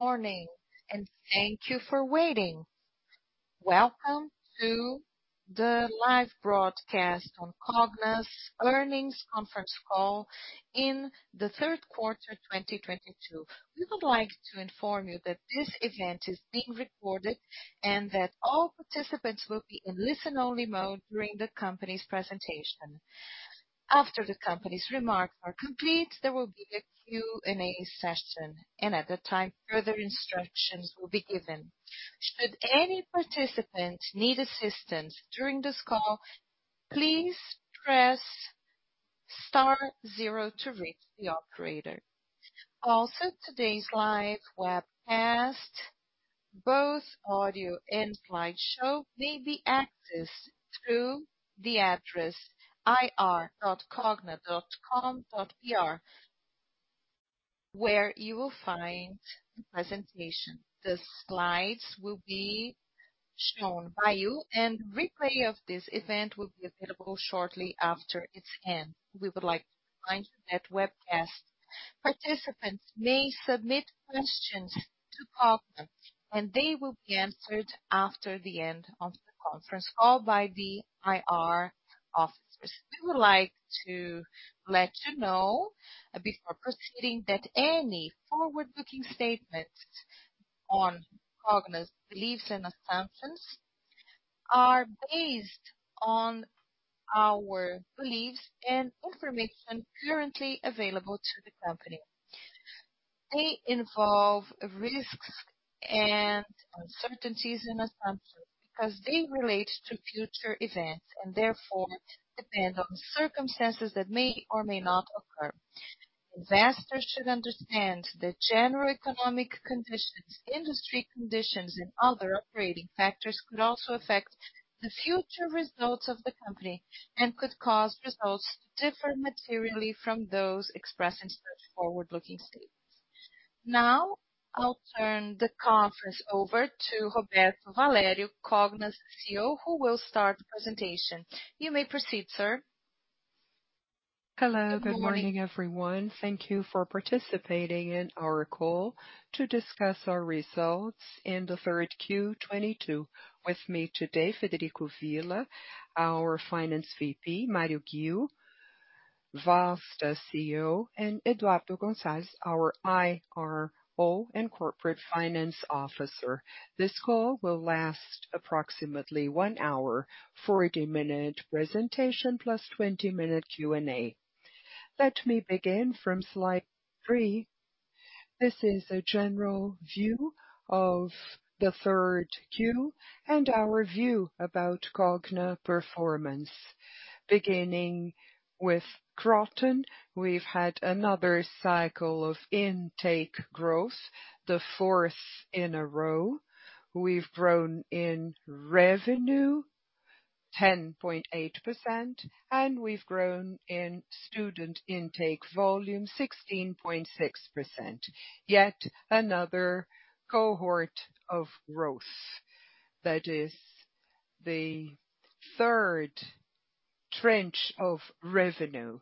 Morning, and thank you for waiting. Welcome to the live broadcast on Cogna's Earnings Conference Call in the third quarter, 2022. We would like to inform you that this event is being recorded and that all participants will be in listen-only mode during the company's presentation. After the company's remarks are complete, there will be a Q&A session, and at that time, further instructions will be given. Should any participant need assistance during this call, please press star zero to reach the operator. Also, today's live webcast, both audio and slideshow, may be accessed through the address ir.cogna.com.br where you will find the presentation. The slides will be shown to you, and replay of this event will be available shortly after its end. We would like to remind you that webcast participants may submit questions to Cogna, and they will be answered after the end of the conference call by the IR officers. We would like to let you know before proceeding that any forward-looking statements on Cogna's beliefs and assumptions are based on our beliefs and information currently available to the company. They involve risks and uncertainties in assumption because they relate to future events and therefore depend on the circumstances that may or may not occur. Investors should understand that general economic conditions, industry conditions, and other operating factors could also affect the future results of the company and could cause results to differ materially from those expressed in such forward-looking statements. Now, I'll turn the conference over to Roberto Valério, Cogna's CEO, who will start the presentation. You may proceed, sir. Hello. Good morning. Good morning, everyone. Thank you for participating in our call to discuss our results in the third Q 2022. With me today, Frederico Villa, our Finance VP, Mario Ghio, Vasta CEO, and Eduardo Gonzalez, our IRO and Corporate Finance Officer. This call will last approximately one hour, 40-minute presentation plus 20-minute Q&A. Let me begin from slide 3. This is a general view of the third Q and our view about Cogna performance. Beginning with Kroton, we've had another cycle of intake growth, the fourth in a row. We've grown in revenue 10.8%, and we've grown in student intake volume 16.6%. Yet another cohort of growth. That is the third tranche of revenue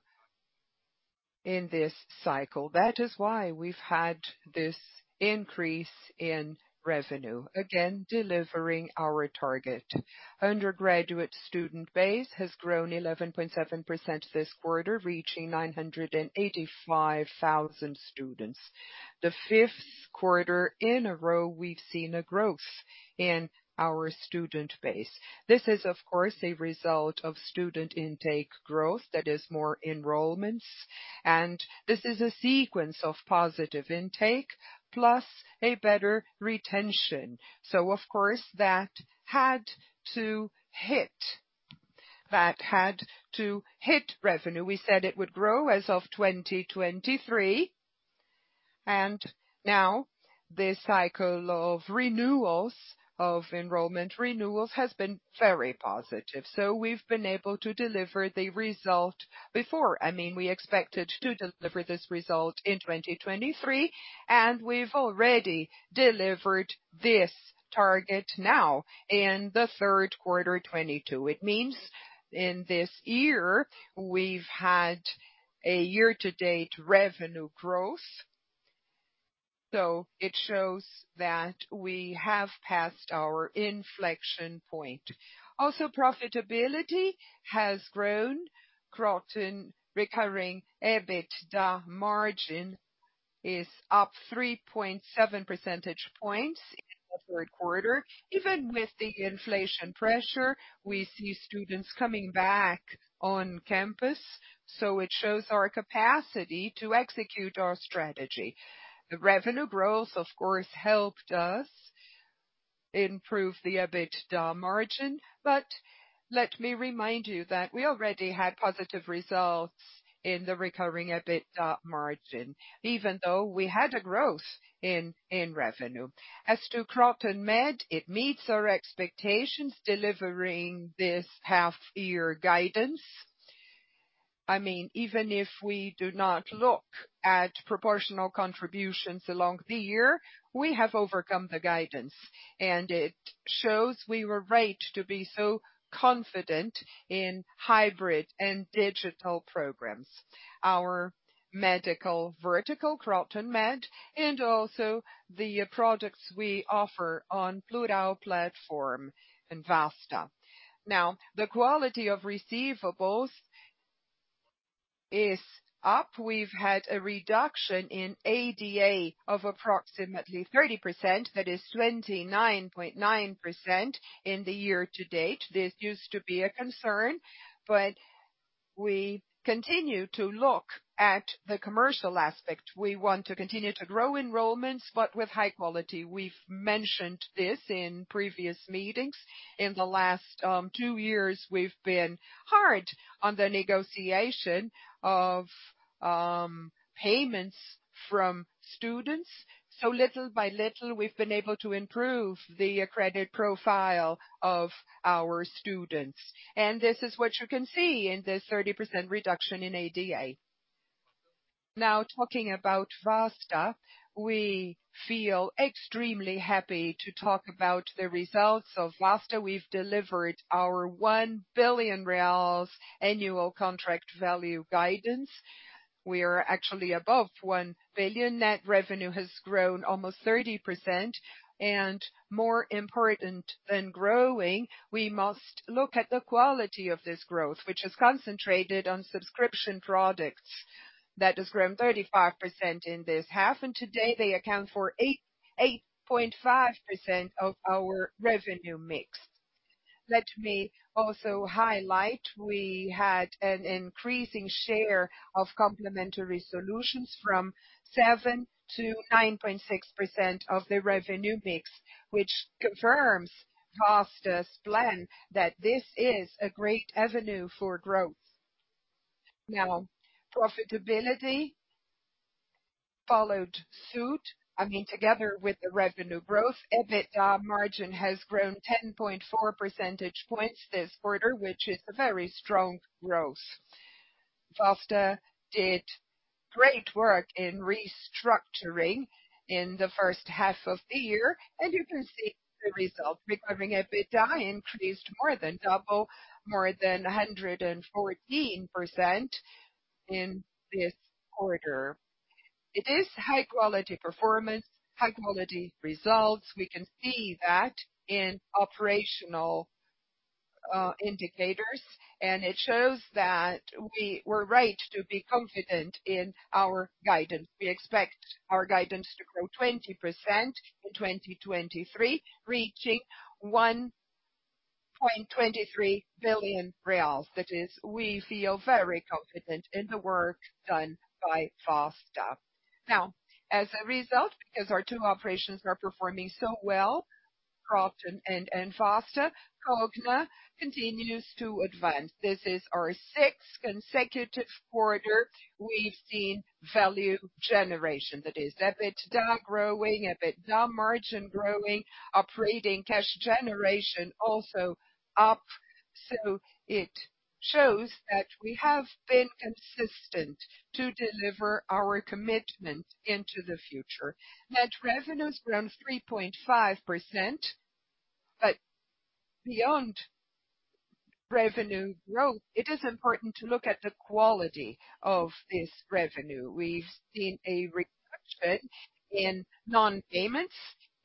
in this cycle. That is why we've had this increase in revenue, again, delivering our target. Undergraduate student base has grown 11.7% this quarter, reaching 985,000 students. The fifth quarter in a row, we've seen a growth in our student base. This is, of course, a result of student intake growth that is more enrollments, and this is a sequence of positive intake plus a better retention. Of course, that had to hit. That had to hit revenue. We said it would grow as of 2023, and now this cycle of renewals of enrollment renewals has been very positive. We've been able to deliver the result before. I mean, we expected to deliver this result in 2023, and we've already delivered this target now in the third quarter 2022. It means in this year, we've had a year-to-date revenue growth. It shows that we have passed our inflection point. Also, profitability has grown. Kroton recurring EBITDA margin is up 3.7 percentage points in the third quarter. Even with the inflation pressure, we see students coming back on campus, so it shows our capacity to execute our strategy. The revenue growth, of course, helped us improve the EBITDA margin, but let me remind you that we already had positive results in the recurring EBITDA margin, even though we had a growth in revenue. As to KrotonMed, it meets our expectations delivering this half-year guidance. I mean, even if we do not look at proportional contributions along the year, we have overcome the guidance, and it shows we were right to be so confident in hybrid and digital programs. Our Medical vertical, KrotonMed, and also the products we offer on Plurall platform in Vasta. Now, the quality of receivables is up. We've had a reduction in ADA of approximately 30%. That is 29.9% in the year to date. This used to be a concern, but we continue to look at the commercial aspect. We want to continue to grow enrollments, but with high quality. We've mentioned this in previous meetings. In the last two years, we've been hard on the negotiation of payments from students. Little by little, we've been able to improve the credit profile of our students. This is what you can see in this 30% reduction in ADA. Now, talking about Vasta. We feel extremely happy to talk about the results of Vasta. We've delivered our 1 billion reais annual contract value guidance. We are actually above 1 billion. Net revenue has grown almost 30%, and more important than growing, we must look at the quality of this growth, which is concentrated on subscription products that has grown 35% in this half. Today, they account for 8.5% of our revenue mix. Let me also highlight, we had an increasing share of complementary solutions from 7%-9.6% of the revenue mix, which confirms Vasta's plan that this is a great avenue for growth. Now, profitability followed suit. I mean, together with the revenue growth, EBITDA margin has grown 10.4 percentage points this quarter, which is a very strong growth. Vasta did great work in restructuring in the first half of the year, and you can see the result. Recovering EBITDA increased more than double, more than 114% in this quarter. It is high-quality performance, high-quality results. We can see that in operational indicators, and it shows that we were right to be confident in our guidance. We expect our guidance to grow 20% in 2023, reaching 1.23 billion reais. That is, we feel very confident in the work done by Vasta. Now, as a result, because our two operations are performing so well, Kroton and Vasta, Cogna continues to advance. This is our sixth consecutive quarter we've seen value generation. That is EBITDA growing, EBITDA margin growing, operating cash generation also up. It shows that we have been consistent to deliver our commitment into the future. Net revenue's grown 3.5%. Beyond revenue growth, it is important to look at the quality of this revenue. We've seen a reduction in non-payments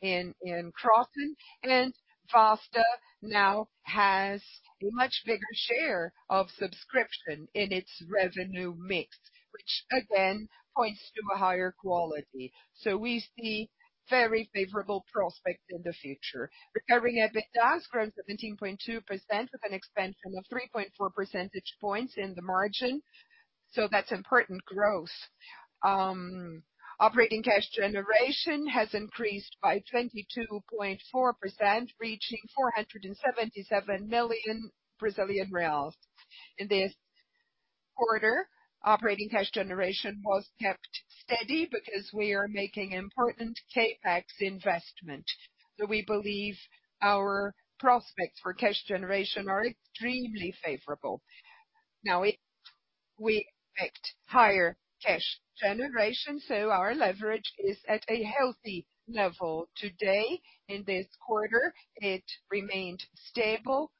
in Kroton, and Vasta now has a much bigger share of subscription in its revenue mix, which again, points to a higher quality. We see very favorable prospects in the future. Recovering EBITDA's grown 17.2% with an expansion of 3.4 percentage points in the margin, that's important growth. Operating cash generation has increased by 22.4%, reaching BRL 477 million. In this quarter, operating cash generation was kept steady because we are making important CapEx investment. We believe our prospects for cash generation are extremely favorable. We expect higher cash generation, our leverage is at a healthy level today. In this quarter, it remained stable,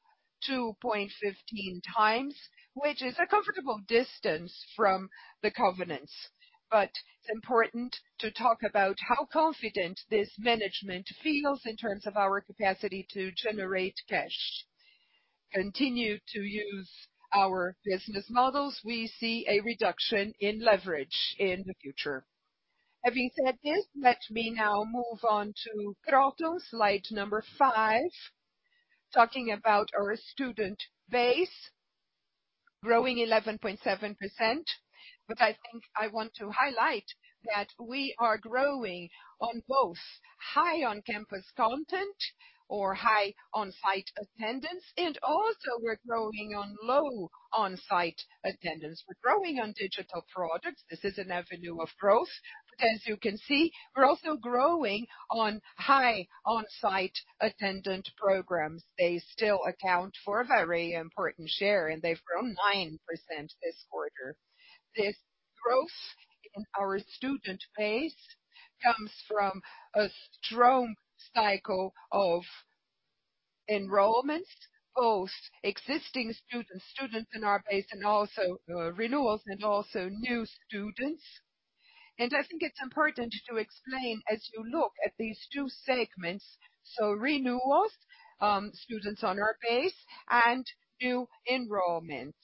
2.15x, which is a comfortable distance from the covenants. It's important to talk about how confident this management feels in terms of our capacity to generate cash. Continue to use our business models, we see a reduction in leverage in the future. Having said this, let me now move on to Kroton, slide number five. Talking about our student base growing 11.7%. I think I want to highlight that we are growing on both high on-campus content or high on-site attendance, and also we're growing on low on-site attendance. We're growing on digital products. This is an avenue of growth. As you can see, we're also growing on high on-site attendance programs. They still account for a very important share, and they've grown 9% this quarter. This growth in our student base comes from a strong cycle of enrollments, both existing students in our base, and also renewals and also new students. I think it's important to explain as you look at these two segments. Renewals, students on our base and new enrollment.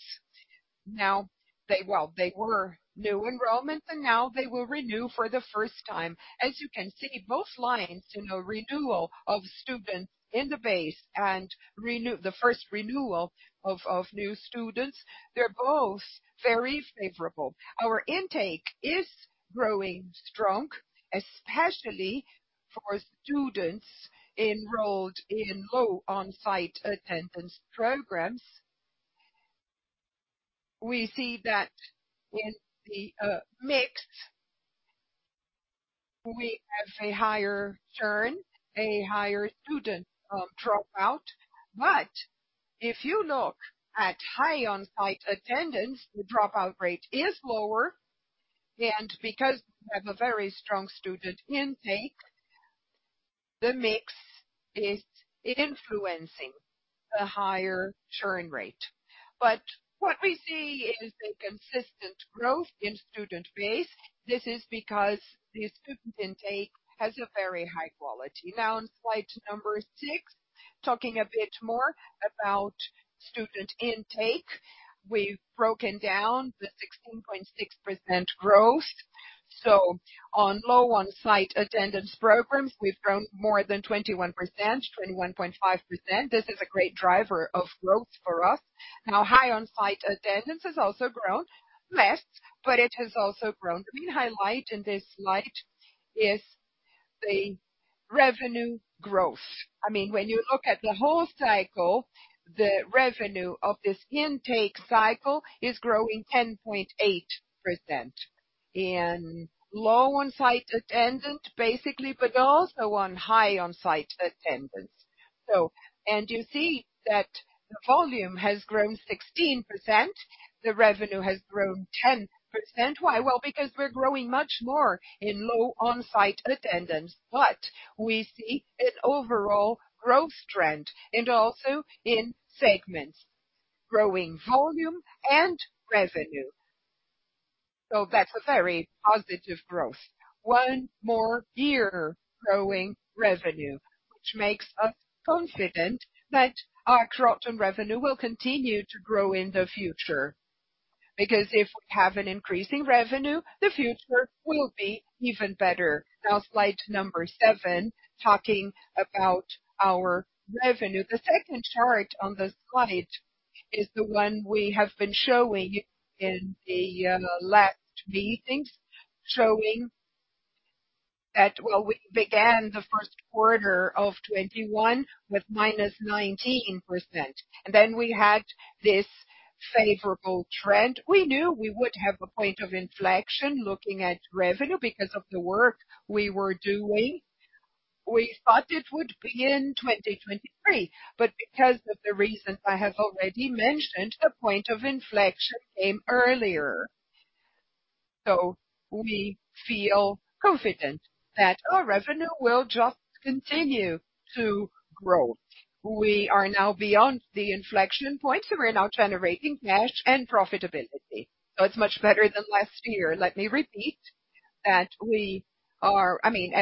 They were new enrollment, and now they will renew for the first time. As you can see, both lines, you know, renewal of students in the base and the first renewal of new students. They're both very favorable. Our intake is growing strong, especially for students enrolled in low on-site attendance programs. We see that in the mix, we have a higher churn, a higher student dropout. If you look at high on-site attendance, the dropout rate is lower. Because we have a very strong student intake, the mix is influencing a higher churn rate. What we see is a consistent growth in student base. This is because the student intake has a very high quality. Now on slide number six, talking a bit more about student intake. We've broken down the 16.6% growth. On low on-site attendance programs, we've grown more than 21%, 21.5%. This is a great driver of growth for us. Now, high on-site attendance has also grown less, but it has also grown. The main highlight in this slide is the revenue growth. I mean, when you look at the whole cycle, the revenue of this intake cycle is growing 10.8%. In low on-site attendance, basically, but also on high on-site attendance. You see that the volume has grown 16%, the revenue has grown 10%. Why? Well, because we're growing much more in low on-site attendance. We see an overall growth trend and also in segments, growing volume and revenue. That's a very positive growth. One more year growing revenue, which makes us confident that our Kroton revenue will continue to grow in the future. If we have an increasing revenue, the future will be even better. Now slide number seven, talking about our revenue. The second chart on the slide is the one we have been showing in the last meetings, showing that, well, we began the first quarter of 2021 with -19%. Then we had this favorable trend. We knew we would have a point of inflection looking at revenue because of the work we were doing. We thought it would be in 2023, but because of the reasons I have already mentioned, the point of inflection came earlier. We feel confident that our revenue will just continue to grow. We are now beyond the inflection point, and we're now generating cash and profitability. It's much better than last year. Let me repeat that we are, I mean,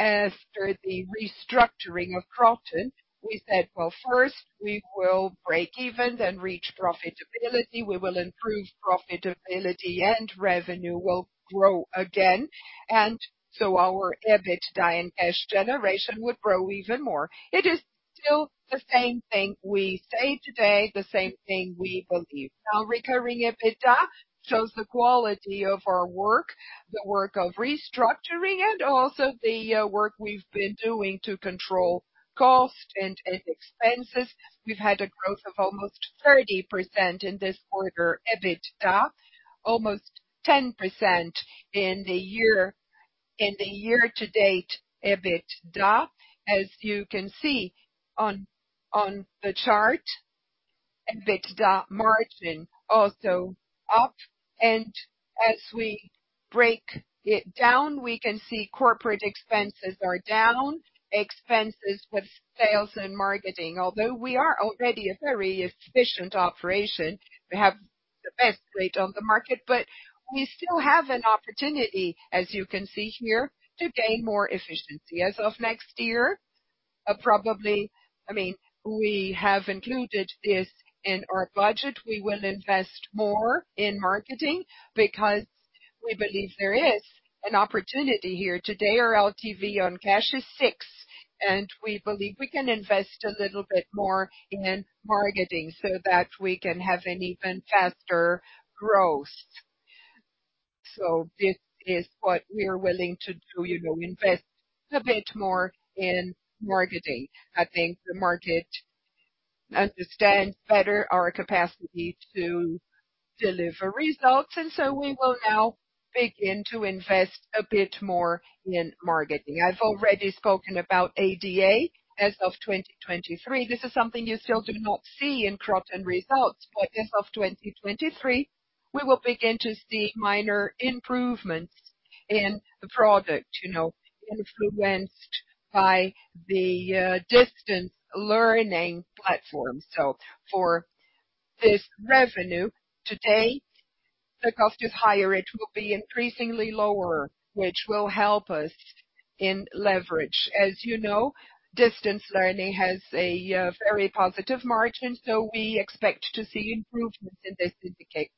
as we said, after the restructuring of Kroton, we said, well, first we will break even, then reach profitability. We will improve profitability, and revenue will grow again. Our EBITDA and cash generation would grow even more. It is still the same thing we say today, the same thing we believe. Now, recurring EBITDA shows the quality of our work, the work of restructuring and also the work we've been doing to control cost and expenses. We've had a growth of almost 30% in this quarter, EBITDA. Almost 10% in the year, in the year-to-date EBITDA. As you can see on the chart, EBITDA margin also up. As we break it down, we can see corporate expenses are down, expenses with sales and marketing. Although we are already a very efficient operation, we have the best rate on the market, but we still have an opportunity, as you can see here, to gain more efficiency. As of next year, probably, I mean, we have included this in our budget. We will invest more in marketing because we believe there is an opportunity here. Today, our LTV on cash is six, and we believe we can invest a little bit more in marketing so that we can have an even faster growth. This is what we are willing to do, you know, invest a bit more in marketing. I think the market understands better our capacity to deliver results, and so we will now begin to invest a bit more in marketing. I've already spoken about ADA as of 2023. This is something you still do not see in Kroton results. As of 2023 we will begin to see minor improvements in the product, you know, influenced by the distance learning platform. For this revenue today, the cost is higher. It will be increasingly lower, which will help us in leverage. As you know, distance learning has a very positive margin, so we expect to see improvements in this indicator.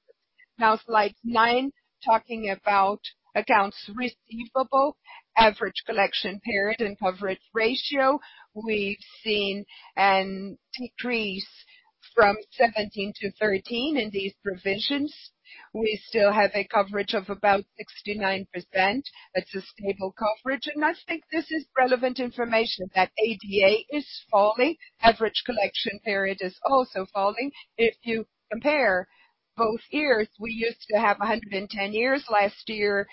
Now slide nine, talking about accounts receivable, average collection period and coverage ratio. We've seen a decrease from 17 to 13 in these provisions. We still have a coverage of about 69%. That's a stable coverage, and I think this is relevant information that ADA is falling. Average collection period is also falling. If you compare both years, we used to have 110 days last year.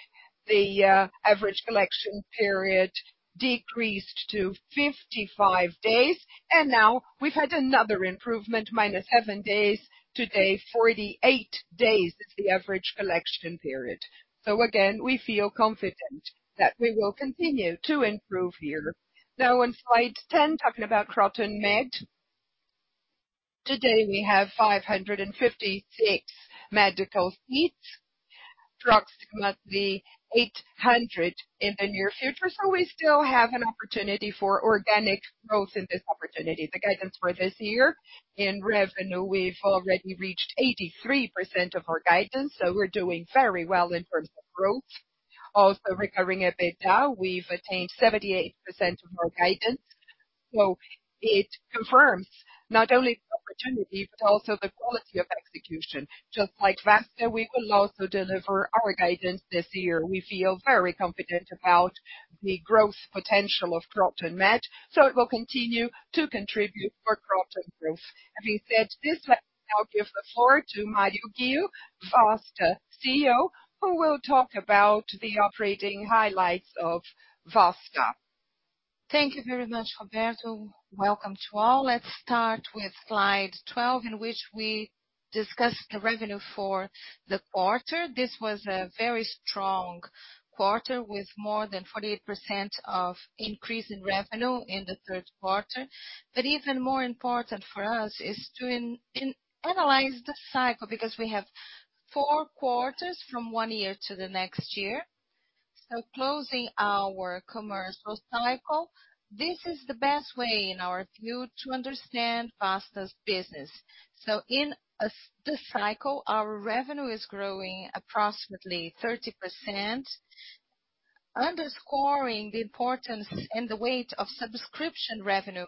Average collection period decreased to 55 days, and now we've had another improvement, minus seven days. Today, 48 days is the average collection period. We feel confident that we will continue to improve here. Now in slide 10, talking about KrotonMed. Today we have 556 medical seats, approximately 800 in the near future, so we still have an opportunity for organic growth in this opportunity. The guidance for this year in revenue, we've already reached 83% of our guidance, so we're doing very well in terms of growth. Recurring EBITDA, we've attained 78% of our guidance. It confirms not only the opportunity but also the quality of execution. Just like Vasta, we will also deliver our guidance this year. We feel very confident about the growth potential of KrotonMed, so it will continue to contribute for Kroton growth. Having said this, let me now give the floor to Mario Ghio Junior, Vasta CEO, who will talk about the operating highlights of Vasta. Thank you very much, Roberto. Welcome to all. Let's start with slide 12, in which we discuss the revenue for the quarter. This was a very strong quarter with more than 48% increase in revenue in the third quarter. Even more important for us is to analyze the cycle, because we have four quarters from one year to the next year. Closing our commercial cycle, this is the best way in our view to understand Vasta's business. In the cycle, our revenue is growing approximately 30%, underscoring the importance and the weight of subscription revenue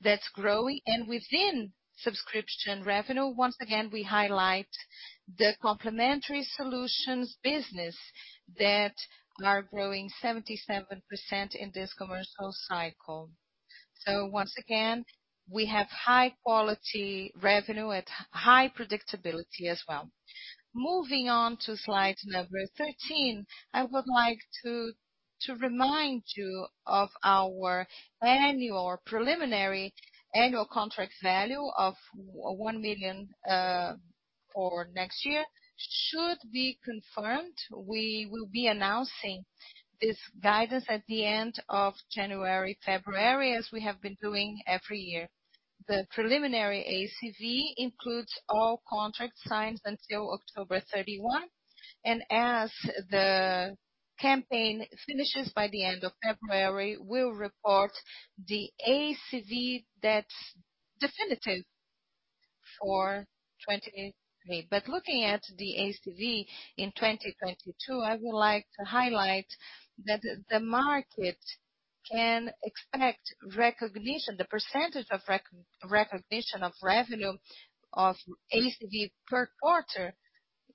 that's growing. Within subscription revenue, once again, we highlight the complementary solutions business that are growing 77% in this commercial cycle. Once again, we have high quality revenue at high predictability as well. Moving on to slide number 13, I would like to remind you of our annual preliminary annual contract value of 1 million for next year should be confirmed. We will be announcing this guidance at the end of January, February, as we have been doing every year. The preliminary ACV includes all contracts signed until October 31. As the campaign finishes by the end of February, we'll report the ACV that's definitive for 2023. Looking at the ACV in 2022, I would like to highlight that the market can expect recognition. The percentage of recognition of revenue of ACV per quarter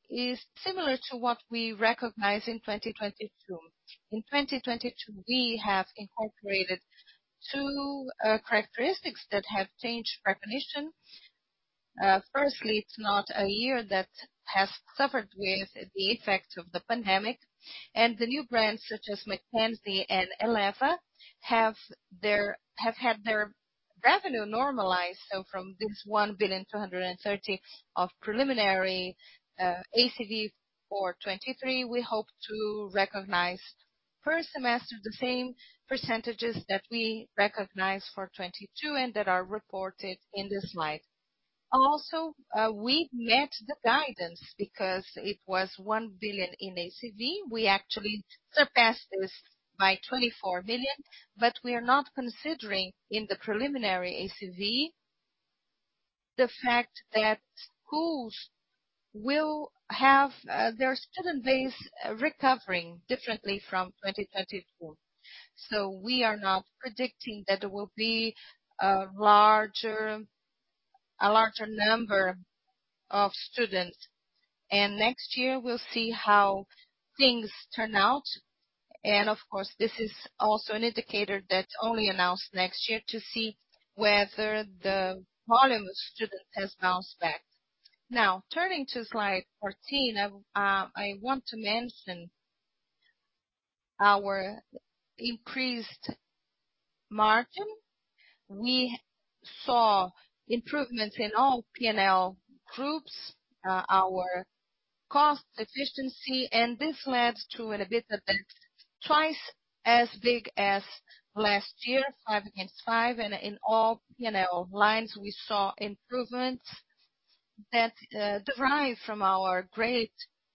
is similar to what we recognized in 2022. In 2022, we have incorporated two characteristics that have changed recognition. Firstly, it's not a year that has suffered with the effect of the pandemic, and the new brands such as Mackenzie and Eleva have had their revenue normalized. From this 1.23 billion of preliminary ACV for 2023, we hope to recognize first semester the same percentages that we recognized for 2022 and that are reported in the slide. We met the guidance because it was 1 billion in ACV. We actually surpassed this by 24 million. We are not considering in the preliminary ACV the fact that schools will have their student base recovering differently from 2022. We are now predicting that there will be a larger number of students. Next year we'll see how things turn out. Of course, this is also an indicator that's only announced next year to see whether the volume of students has bounced back. Now turning to slide 14, I want to mention our increased margin, we saw improvements in all P&L groups, our cost efficiency, and this led to an EBITDA that's twice as big as last year, five against five. In all P&L lines, we saw improvements that derive from our great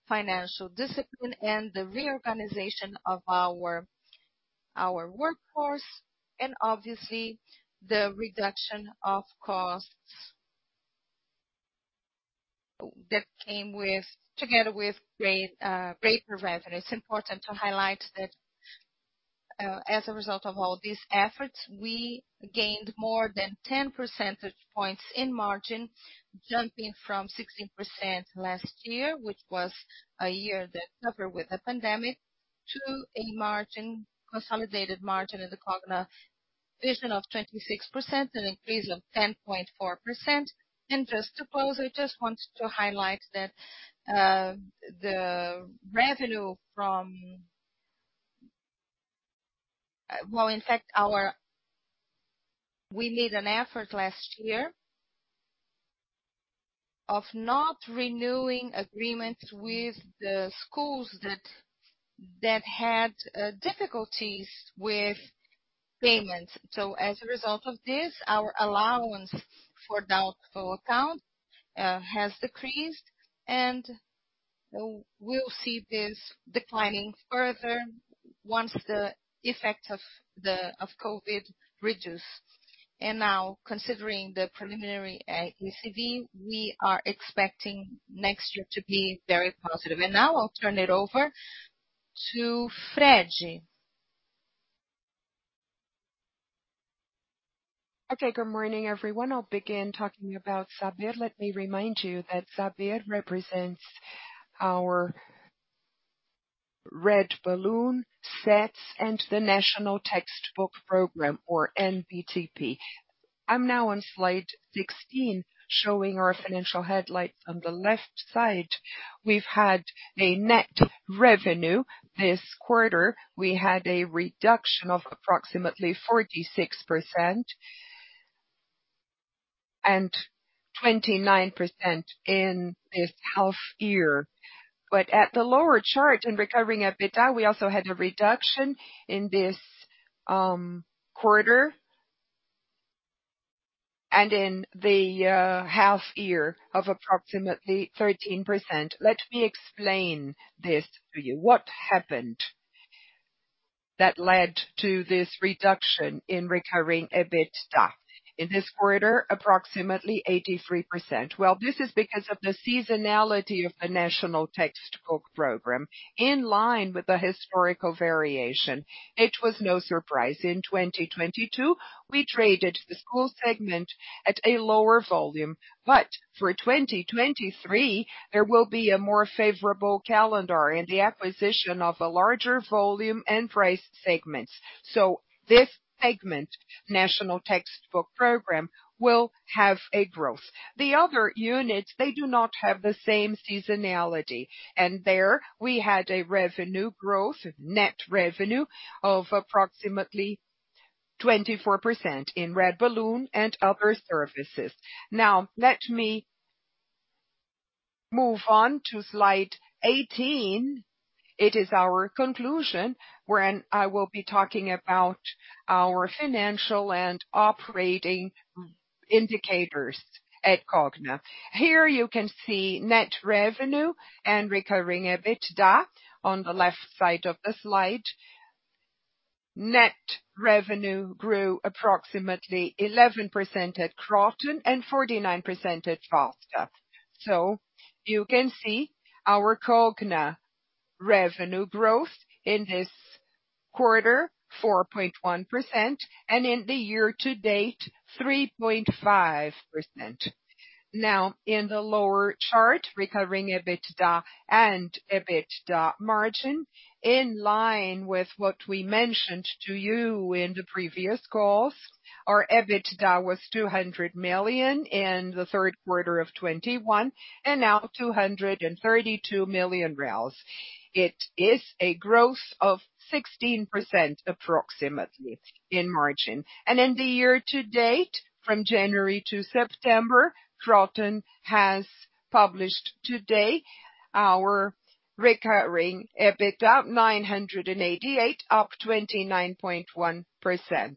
financial discipline and the reorganization of our workforce and obviously the reduction of costs that came together with greater revenue. It's important to highlight that, as a result of all these efforts, we gained more than 10 percentage points in margin, jumping from 16% last year, which was a year that suffered with the pandemic, to a consolidated margin in the Cogna vision of 26%, an increase of 10.4%. Just to close, I just wanted to highlight that, We made an effort last year of not renewing agreements with the schools that had difficulties with payments. As a result of this, our allowance for doubtful accounts has decreased, and we'll see this declining further once the effect of COVID reduces. Now considering the preliminary ACV, we are expecting next year to be very positive. Now I'll turn it over to Frederico da Cunha Villa. Okay. Good morning, everyone. I'll begin talking about Saber. Let me remind you that Saber represents our Red Balloon sets and the National Textbook Program, or NTTP. I'm now on slide 16, showing our financial highlights on the left side. We've had a net revenue. This quarter, we had a reduction of approximately 46% and 29% in this half year. At the lower chart in recurring EBITDA, we also had a reduction in this quarter and in the half year of approximately 13%. Let me explain this to you. What happened that led to this reduction in recurring EBITDA? In this quarter, approximately 83%. Well, this is because of the seasonality of the National Textbook Program. In line with the historical variation, it was no surprise in 2022 we traded the school segment at a lower volume. For 2023, there will be a more favorable calendar in the acquisition of a larger volume and price segments. This segment, National Textbook Program, will have a growth. The other units, they do not have the same seasonality. There we had a revenue growth, net revenue of approximately 24% in Red Balloon and other services. Now let me move on to slide 18. It is our conclusion, when I will be talking about our financial and operating indicators at Cogna. Here you can see net revenue and recurring EBITDA on the left side of the slide. Net revenue grew approximately 11% at Kroton and 49% at Vasta. You can see our Cogna revenue growth in this quarter, 4.1%, and in the year-to-date, 3.5%. Now in the lower chart, recovering EBITDA and EBITDA margin, in line with what we mentioned to you in the previous calls, our EBITDA was 200 million in the third quarter of 2021 and now 232 million. It is a growth of 16% approximately in margin. In the year-to-date, from January to September, Kroton has published today our recurring EBITDA, 988, up 29.1%.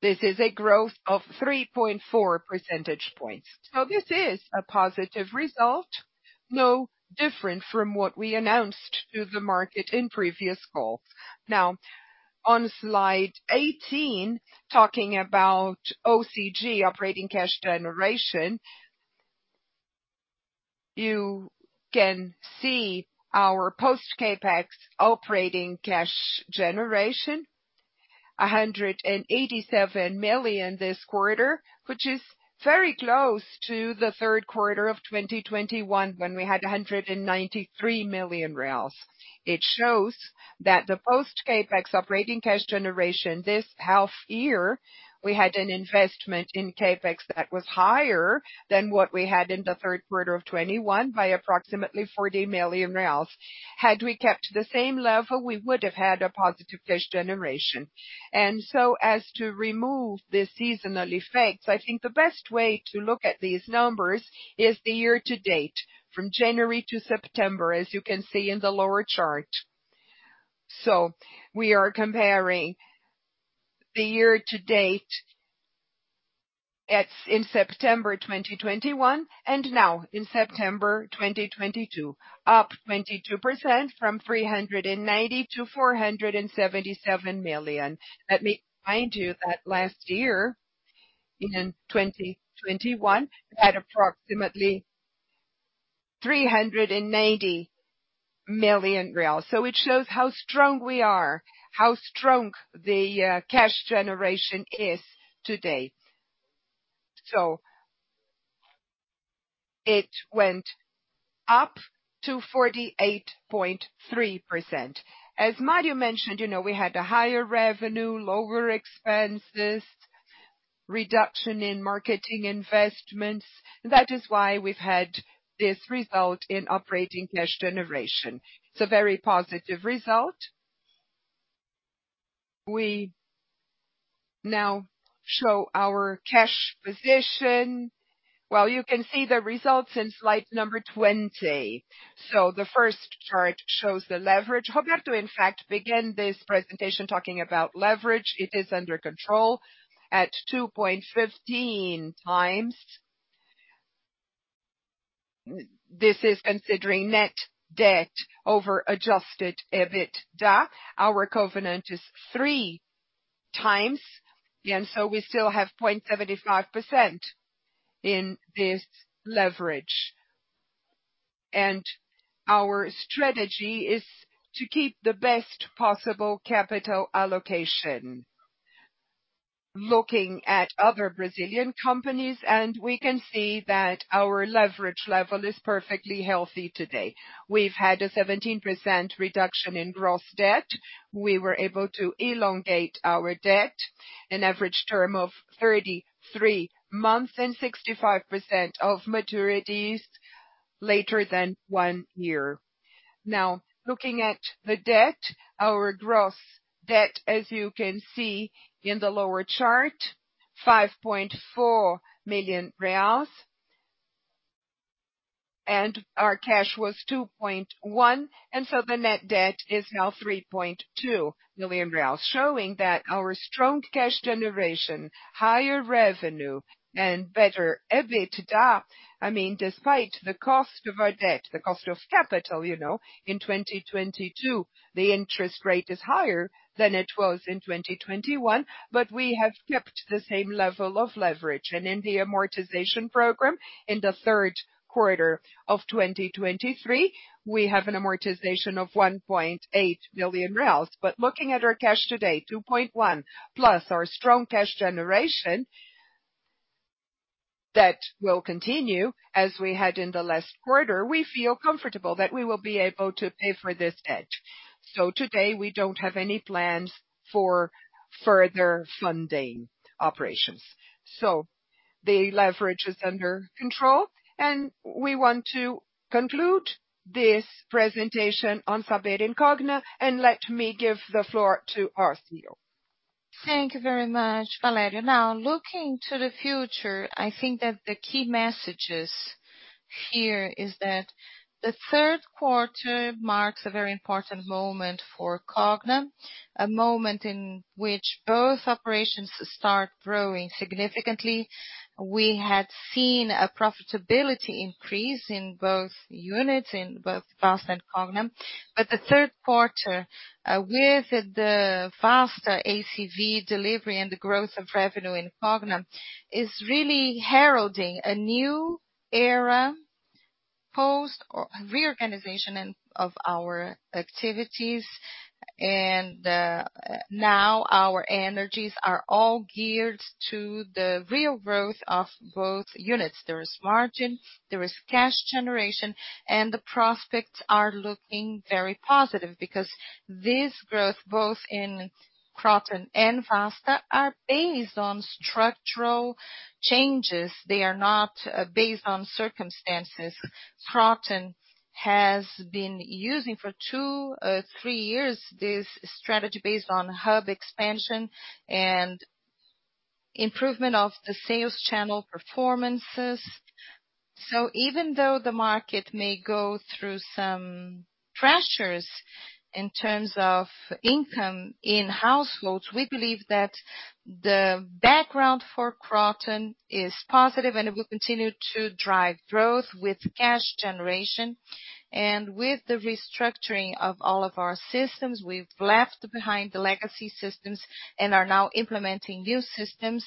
This is a growth of 3.4 percentage points. This is a positive result, no different from what we announced to the market in previous calls. Now on slide 18, talking about OCG, operating cash generation, you can see our post-CapEx operating cash generation, 187 million this quarter, which is very close to the third quarter of 2021 when we had 193 million. It shows that the post-CapEx operating cash generation this half year, we had an investment in CapEx that was higher than what we had in the third quarter of 2021 by approximately 40 million reais. Had we kept the same level, we would have had a positive cash generation. To remove the seasonal effects, I think the best way to look at these numbers is the year-to-date from January to September, as you can see in the lower chart. We are comparing the year-to-date in September 2021, and now in September 2022, up 22% from 390 to 477 million. Let me remind you that last year, in 2021 we had approximately 390 million real. It shows how strong we are, how strong the cash generation is to date. It went up to 48.3%. As Mario mentioned, you know, we had a higher revenue, lower expenses, reduction in marketing investments. That is why we've had this result in operating cash generation. It's a very positive result. We now show our cash position. Well, you can see the results in slide number 20. The first chart shows the leverage. Roberto, in fact, began this presentation talking about leverage. It is under control at 2.15x. This is considering net debt over adjusted EBITDA. Our covenant is 3x, and so we still have 0.75% in this leverage. And our strategy is to keep the best possible capital allocation. Looking at other Brazilian companies, and we can see that our leverage level is perfectly healthy today. We've had a 17% reduction in gross debt. We were able to elongate our debt, an average term of 33 months and 65% of maturities later than one year. Now, looking at the debt, our gross debt, as you can see in the lower chart, 5.4 million reais. Our cash was 2.1, and so the net debt is now 3.2 million reais, showing that our strong cash generation, higher revenue, and better EBITDA, I mean, despite the cost of our debt, the cost of capital, you know, in 2022, the interest rate is higher than it was in 2021, but we have kept the same level of leverage. In the amortization program, in the third quarter of 2023, we have an amortization of 1.8 million. Looking at our cash today, 2.1, plus our strong cash generation that will continue as we had in the last quarter, we feel comfortable that we will be able to pay for this debt. Today we don't have any plans for further funding operations. The leverage is under control, and we want to conclude this presentation on Saber and Cogna and let me give the floor to our CEO. Thank you very much, Valério. Now, looking to the future, I think that the key messages here is that the third quarter marks a very important moment for Cogna, a moment in which both operations start growing significantly. We had seen a profitability increase in both units, in both Vasta and Cogna. But the third quarter, with the Vasta ACV delivery and the growth of revenue in Cogna, is really heralding a new era post-reorganization of our activities. Now our energies are all geared to the real growth of both units. There is margin, there is cash generation, and the prospects are looking very positive because this growth, both in Kroton and Vasta, are based on structural changes. They are not based on circumstances. Kroton has been using for two, three years this strategy based on hub expansion and improvement of the sales channel performances. Even though the market may go through some pressures in terms of income in households, we believe that the background for Kroton is positive, and it will continue to drive growth with cash generation. With the restructuring of all of our systems, we've left behind the legacy systems and are now implementing new systems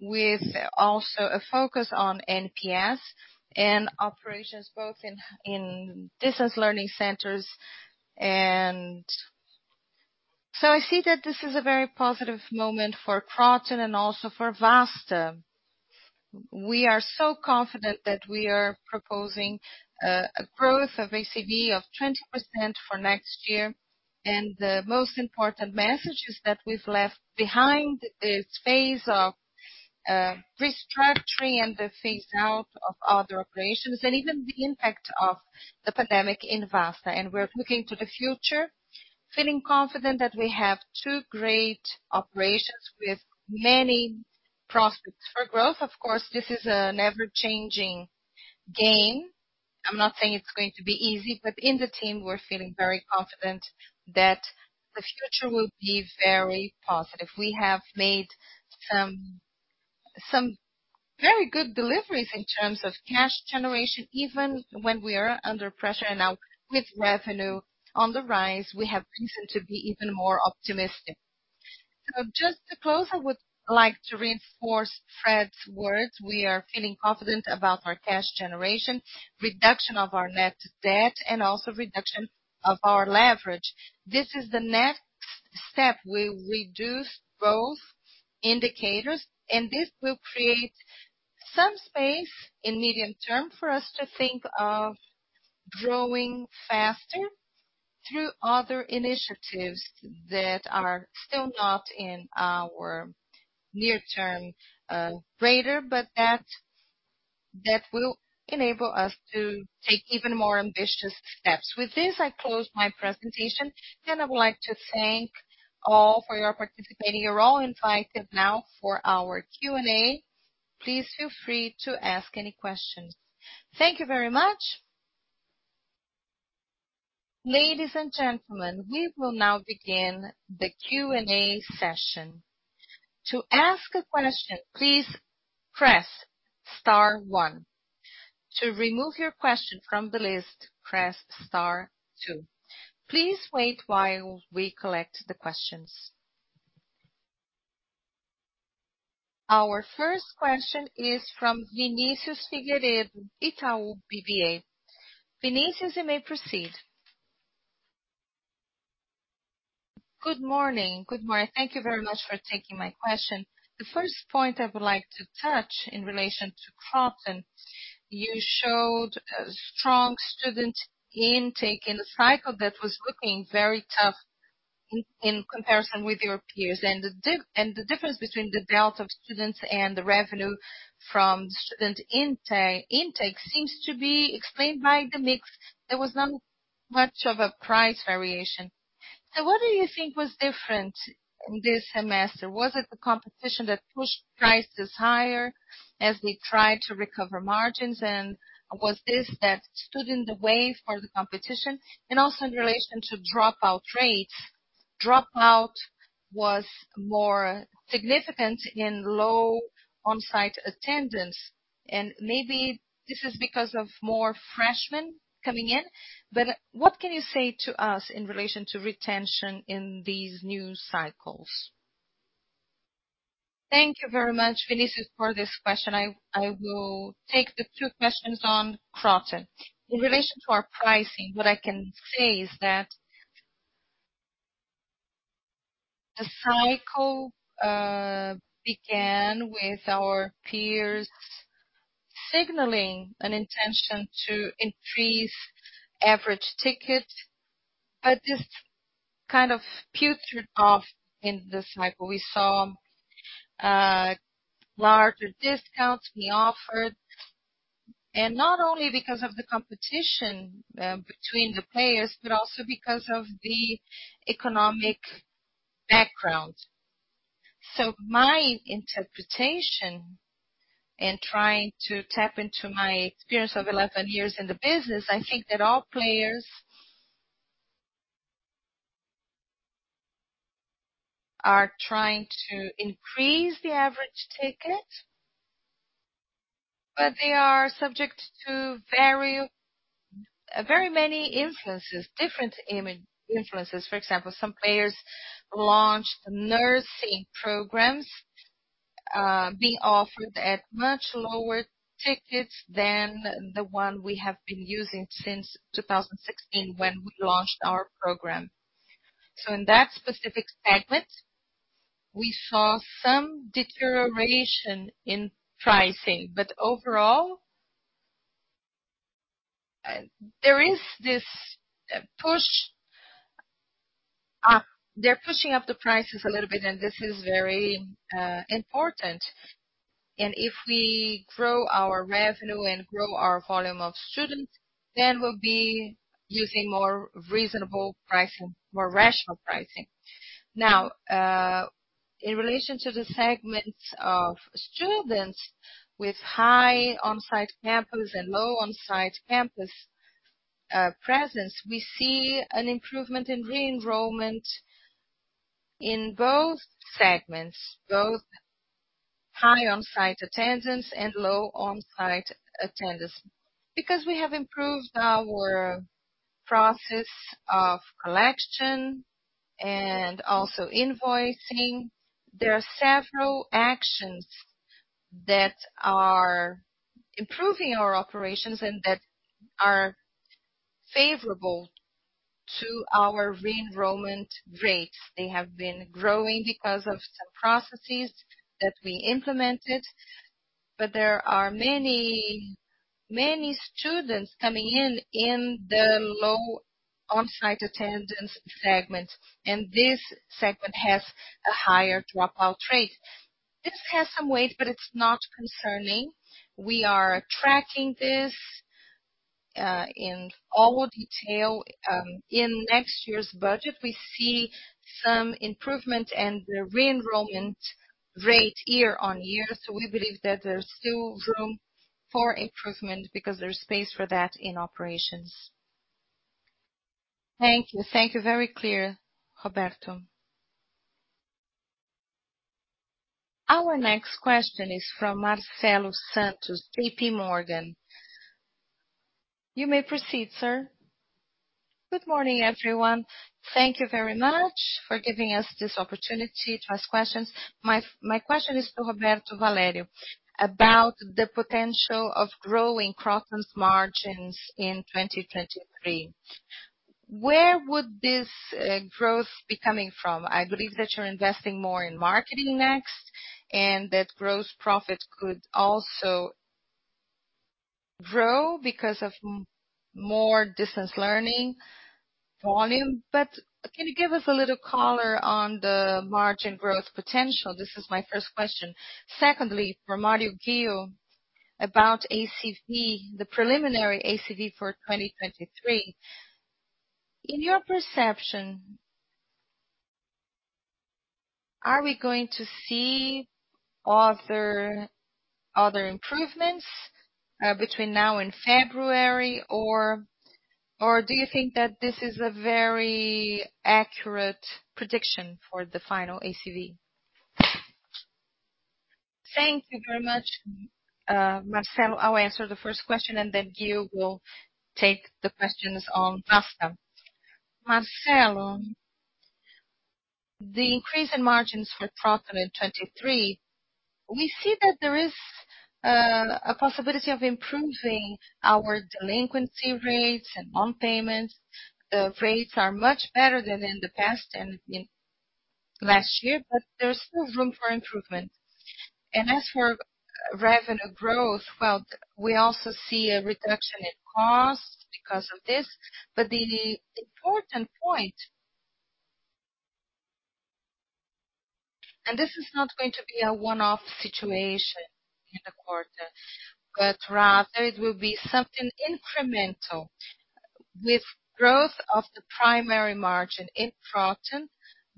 with also a focus on NPS and operations both in distance learning centers. I see that this is a very positive moment for Kroton and also for Vasta. We are so confident that we are proposing a growth of ACV of 20% for next year. The most important message is that we've left behind this phase of restructuring and the phase out of other operations and even the impact of the pandemic in Vasta. We're looking to the future feeling confident that we have two great operations with many prospects for growth, of course, this is an ever-changing game. I'm not saying it's going to be easy, but in the team, we're feeling very confident that the future will be very positive. We have made some very good deliveries in terms of cash generation, even when we are under pressure. Now with revenue on the rise, we have reason to be even more optimistic. Just to close, I would like to reinforce Fred's words. We are feeling confident about our cash generation, reduction of our net debt, and also reduction of our leverage. This is the next step. We'll reduce both indicators, and this will create some space in medium-term for us to think of growing faster through other initiatives that are still not in our near-term radar, but that will enable us to take even more ambitious steps. With this, I close my presentation, and I would like to thank all for your participating. You're all invited now for our Q&A. Please feel free to ask any questions. Thank you very much. Ladies and gentlemen, we will now begin the Q&A session. To ask a question, please press star one. To remove your question from the list, press star two. Please wait while we collect the questions. Our first question is from Vinicius Figueiredo, Itaú BBA. Vinicius, you may proceed. Good morning. Thank you very much for taking my question. The first point I would like to touch in relation to Kroton. You showed a strong student intake in the cycle that was looking very tough in comparison with your peers. The difference between the delta of students and the revenue from student intake seems to be explained by the mix. There was not much of a price variation. What do you think was different in this semester? Was it the competition that pushed prices higher as we tried to recover margins? Was this that stood in the way for the competition? Also in relation to dropout rates, dropout was more significant in low on-site attendance, and maybe this is because of more freshmen coming in. What can you say to us in relation to retention in these new cycles? Thank you very much, Vinicius, for this question. I will take the two questions on Kroton. In relation to our pricing, what I can say is that the cycle began with our peers signaling an intention to increase average ticket, but just kind of petered off in the cycle. We saw larger discounts being offered, and not only because of the competition between the players, but also because of the economic background. My interpretation, in trying to tap into my experience of 11 years in the business, I think that all players are trying to increase the average ticket, but they are subject to very, very many influences, different myriad influences. For example, some players launched nursing programs being offered at much lower tickets than the one we have been using since 2016 when we launched our program. In that specific segment, we saw some deterioration in pricing. Overall, there is this push. They're pushing up the prices a little bit, and this is very important. If we grow our revenue and grow our volume of students, then we'll be using more reasonable pricing, more rational pricing. Now, in relation to the segment of students with high on-site campus and low on-site campus presence, we see an improvement in re-enrollment in both segments, both high on-site attendance and low on-site attendance. Because we have improved our process of collection and also invoicing. There are several actions that are improving our operations and that are favorable to our re-enrollment rates. They have been growing because of some processes that we implemented, but there are many, many students coming in in the low on-site attendance segment, and this segment has a higher dropout rate. This has some weight, but it's not concerning. We are tracking this. In all detail, in next year's budget, we see some improvement and the re-enrollment rate year on year. We believe that there's still room for improvement because there's space for that in operations. Thank you. Very clear, Roberto. Our next question is from Marcelo Santos, JPMorgan. You may proceed, sir. Good morning, everyone. Thank you very much for giving us this opportunity to ask questions. My question is to Roberto Valério about the potential of growing Kroton's margins in 2023. Where would this growth be coming from? I believe that you're investing more in marketing next, and that gross profit could also grow because of more distance learning volume. Can you give us a little color on the margin growth potential? This is my first question. Secondly, for Mario Ghio Junior, about ACV, the preliminary ACV for 2023. In your perception, are we going to see other improvements between now and February? Or do you think that this is a very accurate prediction for the final ACV? Thank you very much, Marcelo. I'll answer the first question and then Ghio will take the questions on Kroton. Marcelo, the increase in margins for Kroton in 2023, we see that there is a possibility of improving our delinquency rates and non-payment rates. Rates are much better than in the past and, you know, last year, but there's still room for improvement. As for revenue growth, well, we also see a reduction in costs because of this. The important point, and this is not going to be a one-off situation in the quarter, but rather it will be something incremental with growth of the primary margin in Kroton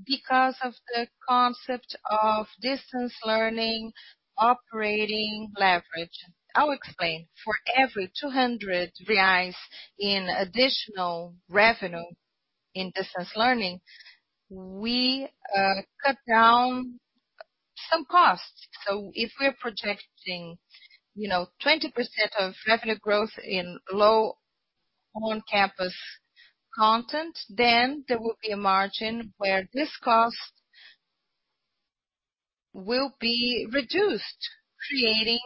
because of the concept of distance learning, operating leverage. I'll explain. For every 200 reais in additional revenue in distance learning, we cut down some costs. So if we're projecting, you know, 20% of revenue growth in low on-campus content, then there will be a margin where this cost will be reduced, creating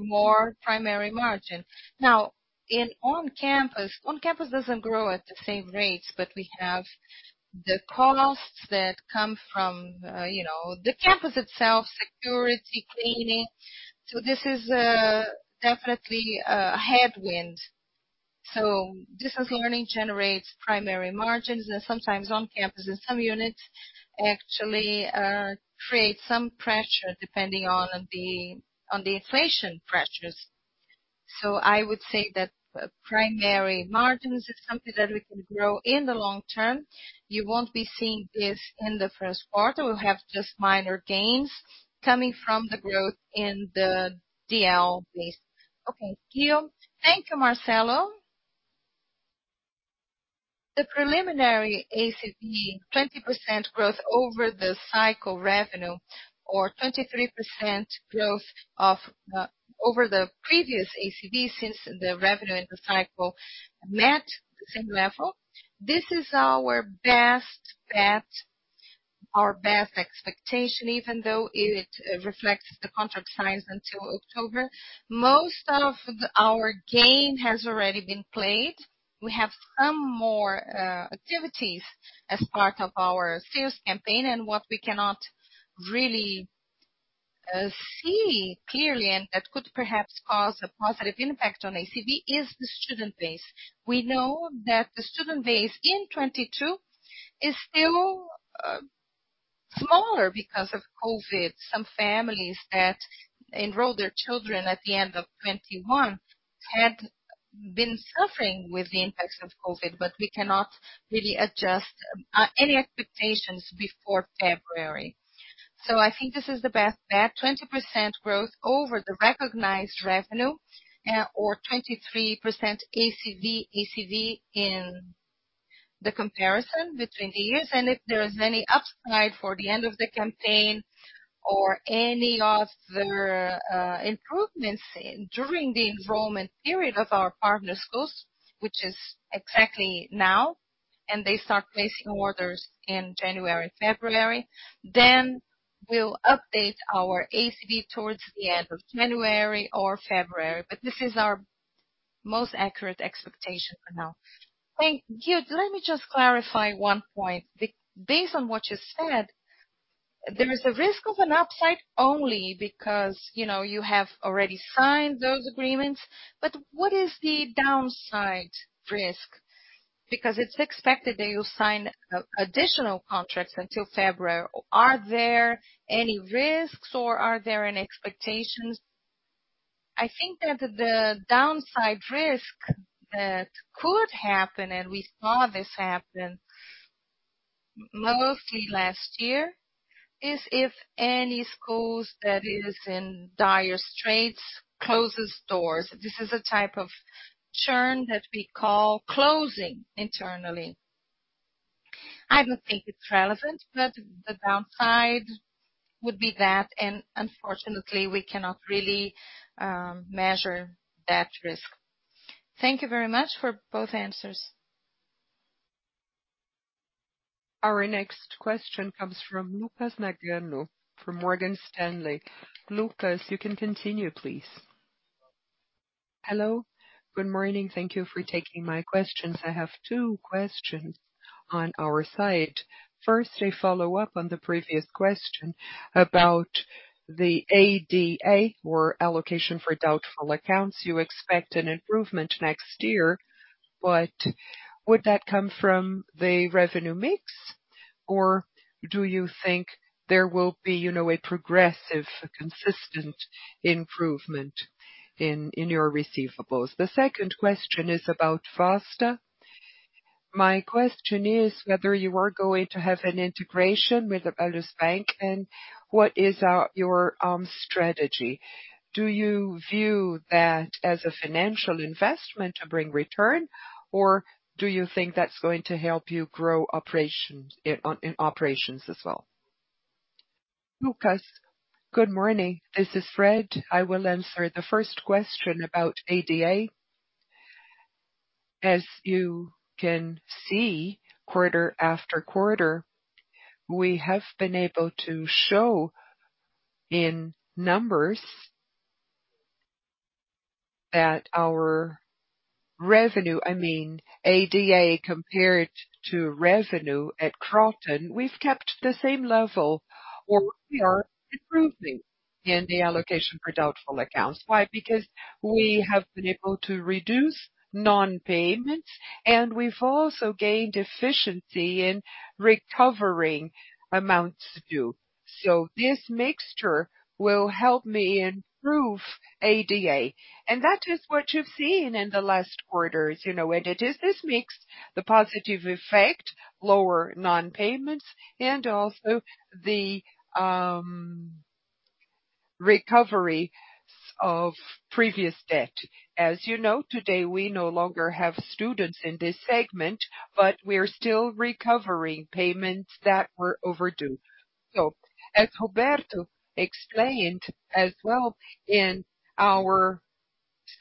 more primary margin. Now, on-campus doesn't grow at the same rates, but we have the costs that come from, you know, the campus itself, security, cleaning. So this is definitely a headwind. So distance learning generates primary margins, and sometimes on-campus, in some units actually, create some pressure depending on the inflation pressures. I would say that primary margins is something that we can grow in the long-term. You won't be seeing this in the first quarter. We'll have just minor gains coming from the growth in the DL base. Okay, Ghio. Thank you, Marcelo. The preliminary ACV, 20% growth over the cycle revenue or 23% growth over the previous ACV since the revenue and the cycle met the same level. This is our best bet, our best expectation, even though it reflects the contract size until October. Most of our game has already been played. We have some more activities as part of our sales campaign, and what we cannot really see clearly, and that could perhaps cause a positive impact on ACV is the student base. We know that the student base in 2022 is still smaller because of COVID. Some families that enrolled their children at the end of 2021 had been suffering with the impacts of COVID, but we cannot really adjust any expectations before February. I think this is the best bet, 20% growth over the recognized revenue, or 23% ACV in the comparison between the years. If there is any upside for the end of the campaign or any other improvements during the enrollment period of our partner schools, which is exactly now, and they start placing orders in January, February, then we'll update our ACV towards the end of January or February. This is our most accurate expectation for now. Ghio, let me just clarify one point. Based on what you said, there is a risk of an upside only because, you know, you have already signed those agreements. What is the downside risk? Because it's expected that you sign additional contracts until February. Are there any risks or are there any expectations? I think that the downside risk that could happen, and we saw this happen mostly last year, is if any schools that is in dire straits closes doors. This is a type of churn that we call closing internally. I don't think it's relevant, but the downside would be that, and unfortunately, we cannot really measure that risk. Thank you very much for both answers. Our next question comes from Lucas Nagano from Morgan Stanley. Lucas, you can continue, please. Hello. Good morning. Thank you for taking my questions. I have two questions on our side. First, a follow-up on the previous question about the ADA or Allowance for Doubtful Accounts. You expect an improvement next year, but would that come from the revenue mix, or do you think there will be, you know, a progressive, consistent improvement in your receivables? The second question is about Vasta. My question is whether you are going to have an integration with the Paulus Bank and what is your strategy. Do you view that as a financial investment to bring return, or do you think that's going to help you grow operations in operations as well? Lucas, good morning. This is Fred. I will answer the first question about ADA. As you can see, quarter after quarter, we have been able to show in numbers that our revenue. I mean ADA compared to revenue at Kroton, we've kept the same level, or we are improving in the allocation for doubtful accounts. Why? Because we have been able to reduce non-payments, and we've also gained efficiency in recovering amounts due. This mixture will help me improve ADA. That is what you've seen in the last quarters, you know. It is this mix, the positive effect, lower non-payments, and also the recovery of previous debt. As you know, today, we no longer have students in this segment, but we are still recovering payments that were overdue. As Roberto explained as well, in our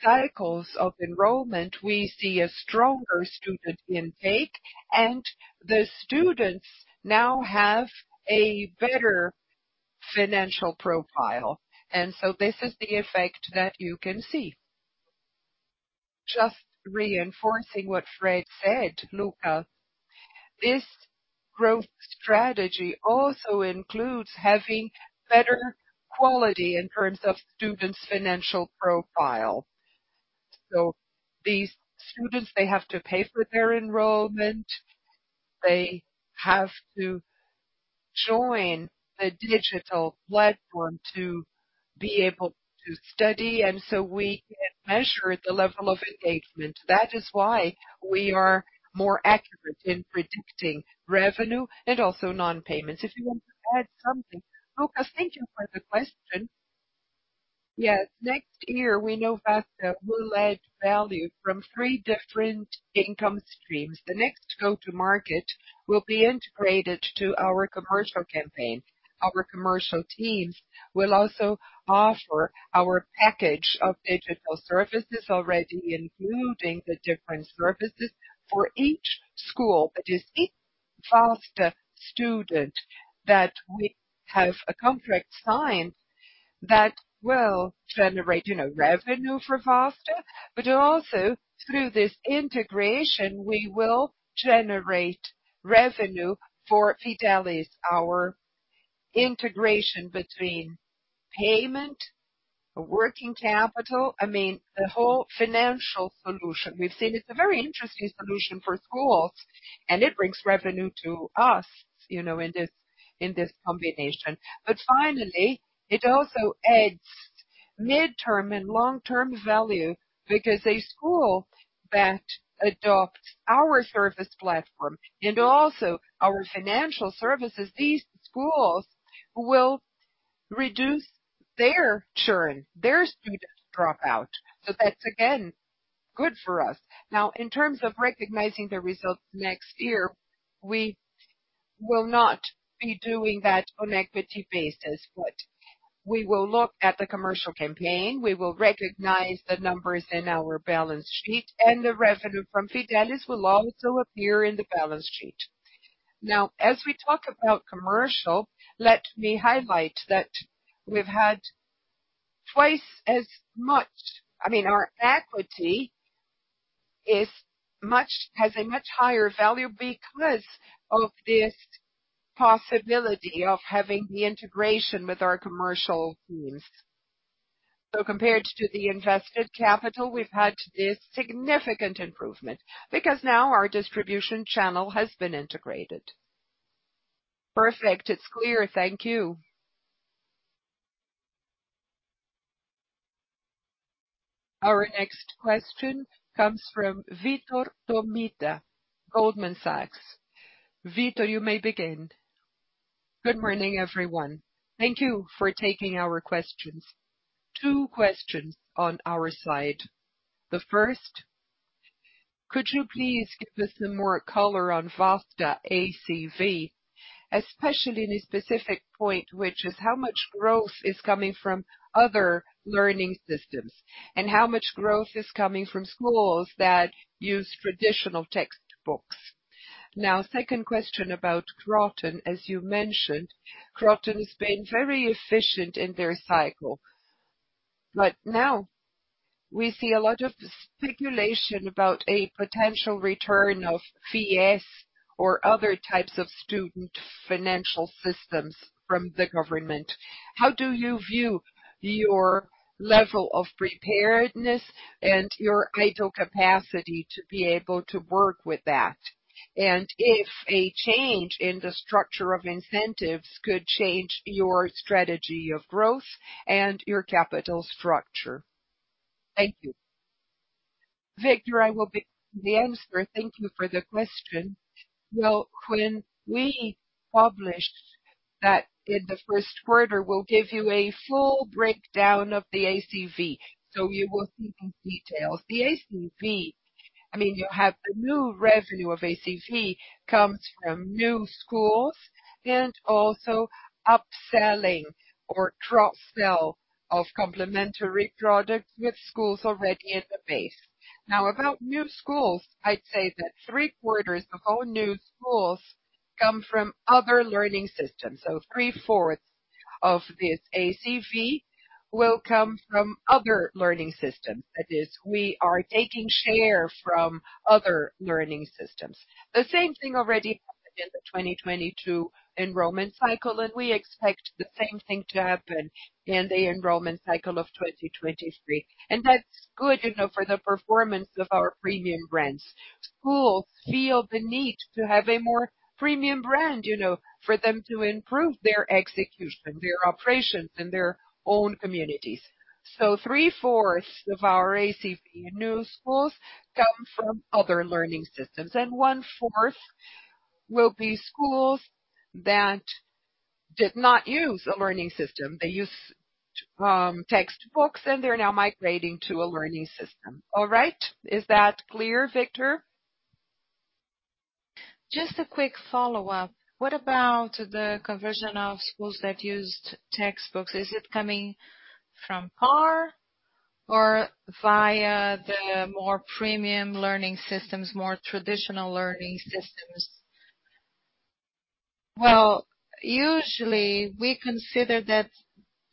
cycles of enrollment, we see a stronger student intake, and the students now have a better financial profile. This is the effect that you can see. Just reinforcing what Fred said, Lucas, this growth strategy also includes having better quality in terms of students' financial profile. These students, they have to pay for their enrollment. They have to join the digital platform to be able to study, and so we can measure the level of engagement. That is why we are more accurate in predicting revenue and also non-payments. If you want to add something. Lucas, thank you for the question. Yes. Next year, we know Vasta will add value from three different income streams. The next go-to market will be integrated to our commercial campaign. Our commercial teams will also offer our package of digital services, already including the different services for each school. It is each Vasta student that we have a contract signed that will generate, you know, revenue for Vasta. But also, through this integration, we will generate revenue for Fidelis, our integration between payment, working capital, I mean, the whole financial solution. We've seen it's a very interesting solution for schools, and it brings revenue to us, you know, in this, in this combination. Finally, it also adds mid-term and long-term value because a school that adopts our service platform and also our financial services, these schools will reduce their churn, their student dropout. That's again, good for us. Now, in terms of recognizing the results next year, we will not be doing that on equity basis, but we will look at the commercial campaign. We will recognize the numbers in our balance sheet, and the revenue from Fidelis will also appear in the balance sheet. Now, as we talk about commercial, let me highlight that, I mean, our equity has a much higher value because of this possibility of having the integration with our commercial teams. Compared to the invested capital, we've had a significant improvement because now our distribution channel has been integrated. Perfect. It's clear. Thank you. Our next question comes from Vitor Tomita, Goldman Sachs. Vitor, you may begin. Good morning, everyone. Thank you for taking our questions. Two questions on our side. The first, could you please give us some more color on Vasta ACV, especially in a specific point, which is how much growth is coming from other learning systems and how much growth is coming from schools that use traditional textbooks. Now, second question about Kroton. As you mentioned, Kroton has been very efficient in their cycle, but now we see a lot of speculation about a potential return of FIES or other types of student financial systems from the government. How do you view your level of preparedness and your idle capacity to be able to work with that? And if a change in the structure of incentives could change your strategy of growth and your capital structure. Thank you. Victor, I will be the answerer. Thank you for the question. Well, when we published that in the first quarter, we'll give you a full breakdown of the ACV, so you will see the details. The ACV, I mean, you have the new revenue of ACV comes from new schools and also upselling or cross-sell of complementary products with schools already in the base. Now, about new schools, I'd say that three-quarters of all new schools come from other learning systems. So three-fourths of this ACV will come from other learning systems. That is, we are taking share from other learning systems. The same thing already happened in the 2022 enrollment cycle, and we expect the same thing to happen in the enrollment cycle of 2023. That's good, you know, for the performance of our premium brands. Schools feel the need to have a more premium brand, you know, for them to improve their execution, their operations in their own communities. 3/4 of our ACV new schools come from other learning systems, and 1/4 will be schools that did not use a learning system. They used textbooks, and they're now migrating to a learning system. All right. Is that clear, Vitor? Just a quick follow-up. What about the conversion of schools that used textbooks? Is it coming from PAR or via the more premium learning systems, more traditional learning systems? Well, usually we consider that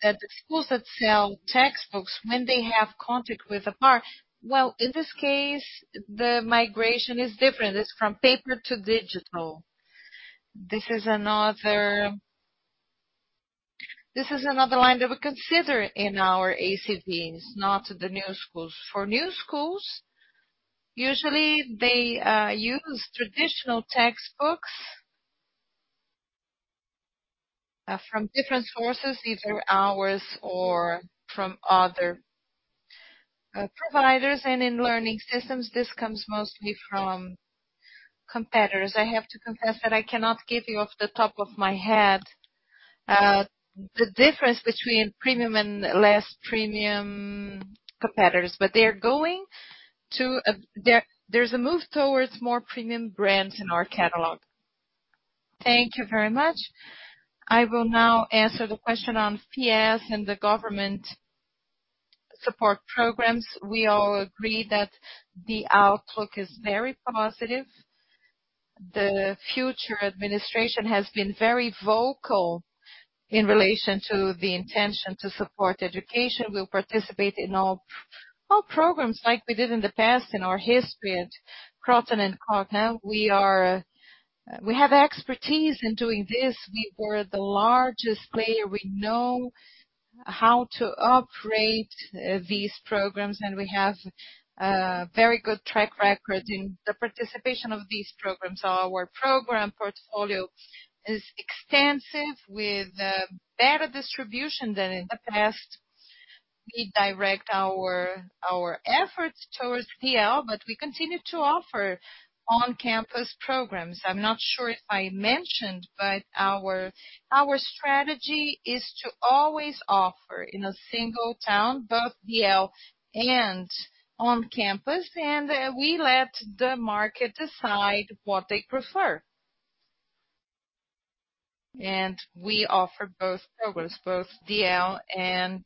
the schools that sell textbooks when they have contact with the PAR. Well, in this case, the migration is different. It's from paper to digital. This is another line that we consider in our ACVs, not the new schools. For new schools, usually they use traditional textbooks from different sources, either ours or from other providers. In learning systems, this comes mostly from competitors. I have to confess that I cannot give you off the top of my head the difference between premium and less premium competitors, but there's a move towards more premium brands in our catalog. Thank you very much. I will now answer the question on Fies and the government support programs. We all agree that the outlook is very positive. The future administration has been very vocal in relation to the intention to support education. We'll participate in all programs like we did in the past in our history at Kroton and Cogna. We have expertise in doing this. We were the largest player. We know how to operate these programs, and we have a very good track record in the participation of these programs. Our program portfolio is extensive with better distribution than in the past. We direct our efforts towards DL, but we continue to offer on-campus programs. I'm not sure if I mentioned, but our strategy is to always offer in a single town, both DL and on campus, and we let the market decide what they prefer. We offer both programs, both DL and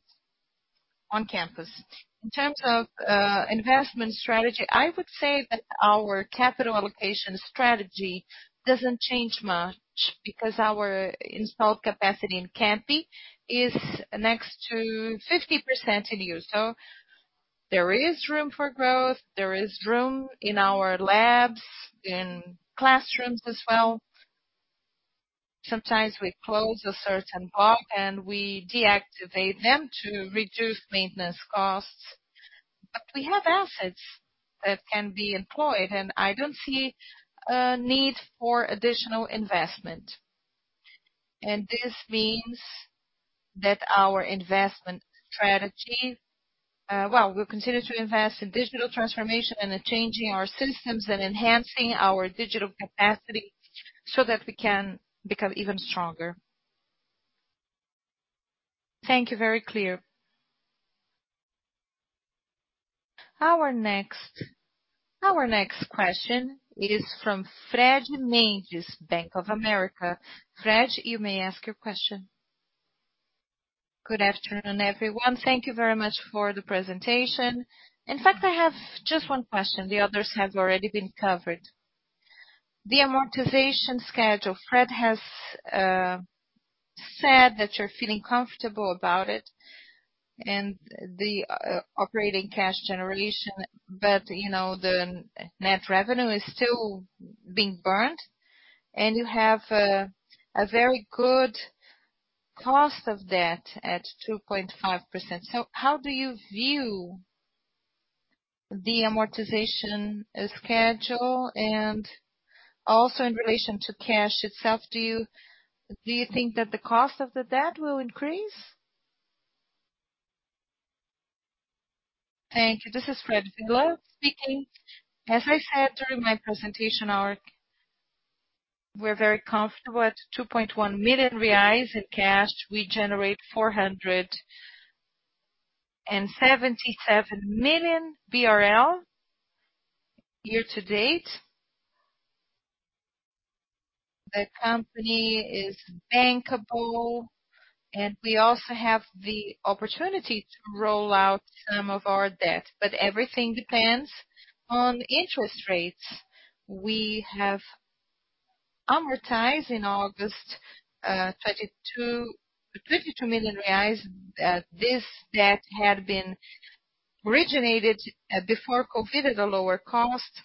on campus. In terms of investment strategy, I would say that our capital allocation strategy doesn't change much because our installed capacity in campus is next to 50% in use. There is room for growth. There is room in our labs, in classrooms as well. Sometimes we close a certain block and we deactivate them to reduce maintenance costs. We have assets that can be employed, and I don't see a need for additional investment. This means that our investment strategy, we'll continue to invest in digital transformation and changing our systems and enhancing our digital capacity so that we can become even stronger. Thank you. Very clear. Our next question is from Fred Mendes, Bank of America. Fred, you may ask your question. Good afternoon, everyone. Thank you very much for the presentation. In fact, I have just one question. The others have already been covered. The amortization schedule. Fred has said that you're feeling comfortable about it and the operating cash generation. You know, the net revenue is still being burnt. You have a very good cost of debt at 2.5%. How do you view the amortization schedule? Also in relation to cash itself, do you think that the cost of the debt will increase? Thank you. This is Frederico da Cunha Villa speaking. As I said during my presentation, we're very comfortable at 2.1 million reais in cash. We generate 477 million BRL year to date. The company is bankable, and we also have the opportunity to roll out some of our debt, but everything depends on interest rates. We have amortized in August 22 million reais. This debt had been originated before COVID at a lower cost.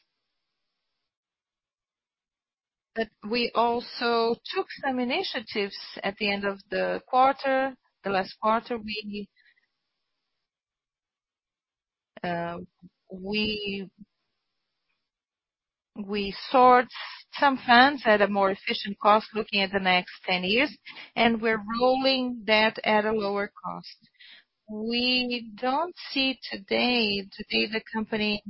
We also took some initiatives at the end of the quarter. The last quarter, we sought some funds at a more efficient cost looking at the next 10 years, and we're rolling that at a lower cost. We don't see today. Today, the company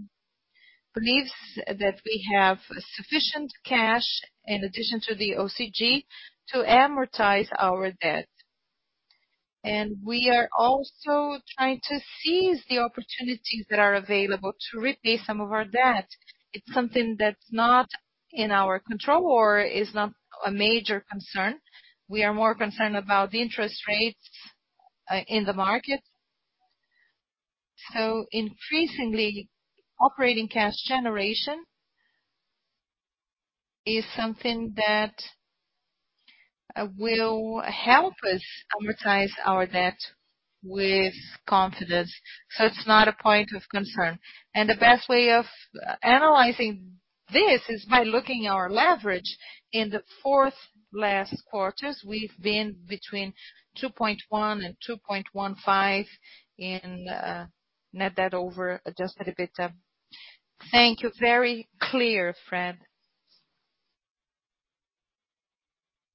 believes that we have sufficient cash in addition to the OCG to amortize our debt. We are also trying to seize the opportunities that are available to repay some of our debt. It's something that's not in our control or is not a major concern. We are more concerned about the interest rates in the market. Increasingly, operating cash generation is something that will help us amortize our debt with confidence. It's not a point of concern. The best way of analyzing this is by looking at our leverage. In the last four quarters, we've been between 2.1 and 2.15 in net debt over adjusted EBITDA. Thank you. Very clear, Fred.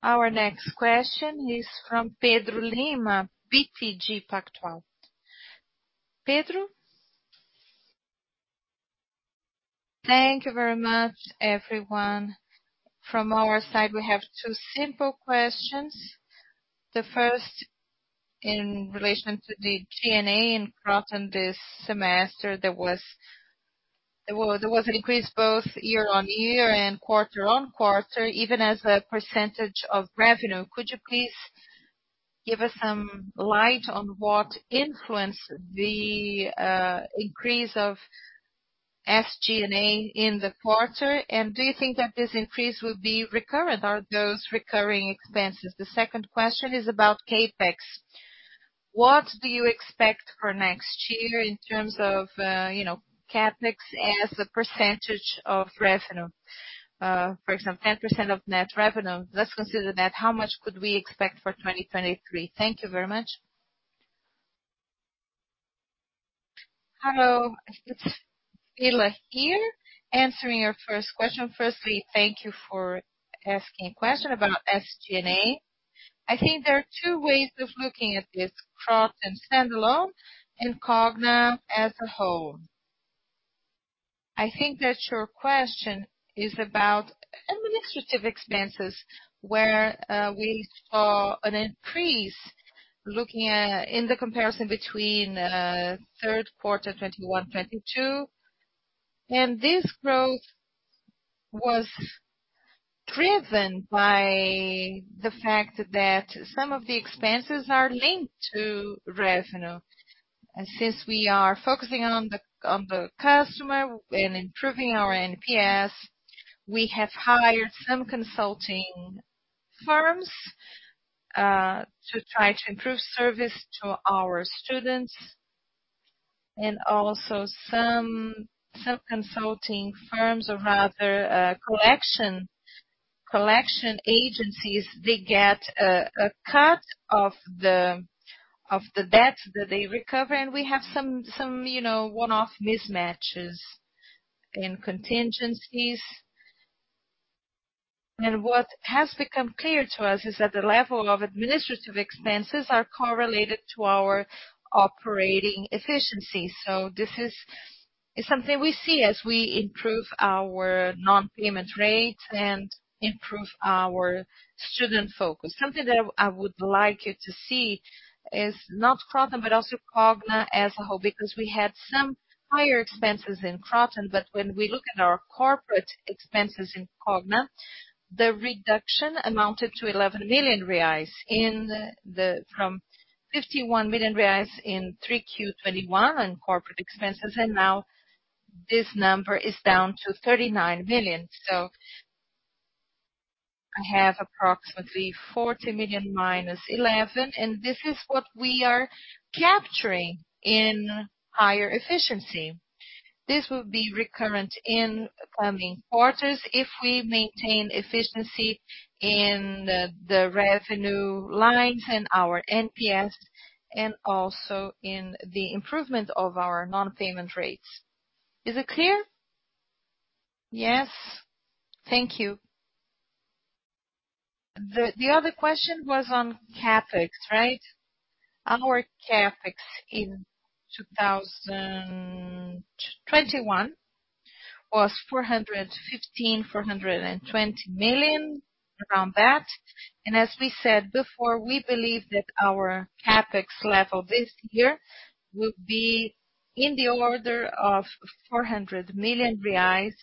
Our next question is from Pedro Lima, BTG Pactual. Pedro. Thank you very much, everyone. From our side, we have two simple questions. The first in relation to the SG&A in Kroton this semester. There was an increase both year-on-year and quarter-on-quarter, even as a percentage of revenue. Could you please give us some light on what influenced the increase of SG&A in the quarter? And do you think that this increase will be recurrent? Are those recurring expenses? The second question is about CapEx. What do you expect for next year in terms of you know, CapEx as a percentage of revenue? For example, 10% of net revenue. Let's consider that. How much could we expect for 2023? Thank you very much. Hello, it's Frederico da Cunha Villa here answering your first question. Firstly, thank you for asking a question about SG&A. I think there are two ways of looking at this, Kroton standalone and Cogna as a whole. I think that your question is about administrative expenses, where we saw an increase looking at in the comparison between third quarter 2021, 2022. This growth was driven by the fact that some of the expenses are linked to revenue. Since we are focusing on the customer and improving our NPS, we have hired some consulting firms to try to improve service to our students. Also some consulting firms or rather collection agencies, they get a cut of the debt that they recover, and we have some, you know, one-off mismatches in contingencies. What has become clear to us is that the level of administrative expenses are correlated to our operating efficiency. This is something we see as we improve our non-payment rates and improve our student focus. Something that I would like you to see is not Kroton, but also Cogna as a whole, because we had some higher expenses in Kroton. When we look at our corporate expenses in Cogna, the reduction amounted to 11 million reais from 51 million reais in 3Q21 on corporate expenses, and now this number is down to 39 million. I have approximately 40 million minus 11, and this is what we are capturing in higher efficiency. This will be recurrent in coming quarters if we maintain efficiency in the revenue lines and our NPS and also in the improvement of our non-payment rates. Is it clear? Yes. Thank you. The other question was on CapEx, right? Our CapEx in 2021 was 415 million-420 million, around that. As we said before, we believe that our CapEx level this year will be in the order of 400 million reais.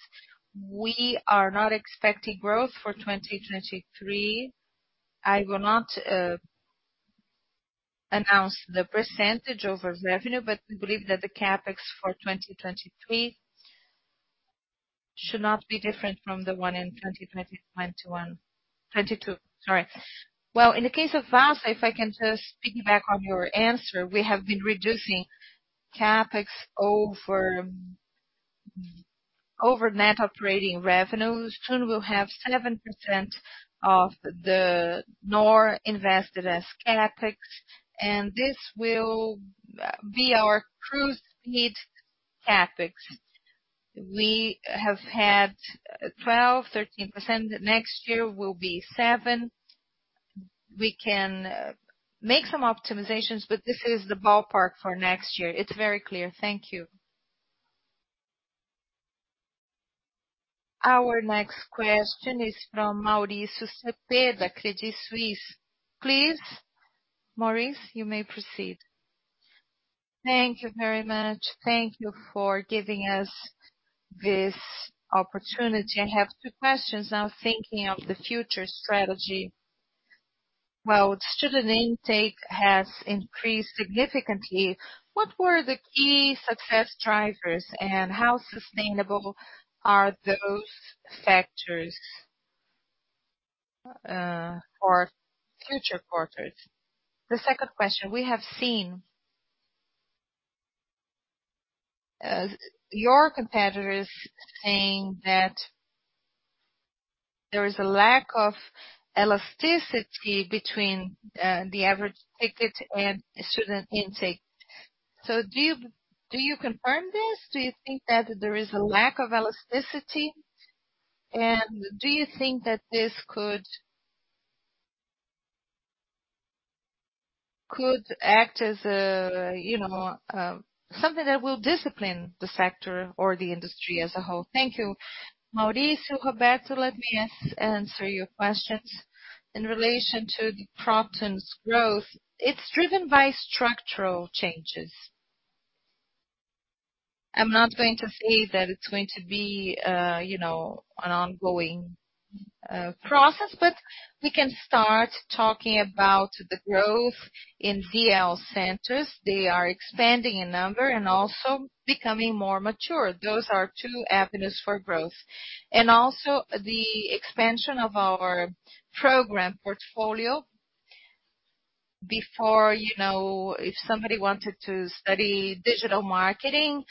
We are not expecting growth for 2023. I will not announce the percentage over revenue, but we believe that the CapEx for 2023 should not be different from the one in 2022, sorry. Well, in the case of Vasta, if I can just piggyback on your answer, we have been reducing CapEx over net operating revenues. Soon, we'll have 7% of the NOR invested as CapEx, and this will be our cruise speed CapEx. We have had 12, 13%. Next year will be 7%. We can make some optimizations, but this is the ballpark for next year. It's very clear. Thank you. Our next question is from Mauricio Cepeda, Credit Suisse. Please, Maurice, you may proceed. Thank you very much. Thank you for giving us this opportunity. I have two questions now thinking of the future strategy. While student intake has increased significantly, what were the key success drivers and how sustainable are those factors for future quarters? The second question, we have seen your competitors saying that there is a lack of elasticity between the average ticket and student intake. So do you confirm this? Do you think that there is a lack of elasticity? And do you think that this could act as a something that will discipline the sector or the industry as a whole? Thank you. Mauricio, Roberto, let me answer your questions. In relation to the Kroton's growth, it's driven by structural changes. I'm not going to say that it's going to be, you know, an ongoing process, but we can start talking about the growth in VL centers. They are expanding in number and also becoming more mature. Those are two avenues for growth. Also the expansion of our program portfolio. Before, you know, if somebody wanted to study digital marketing,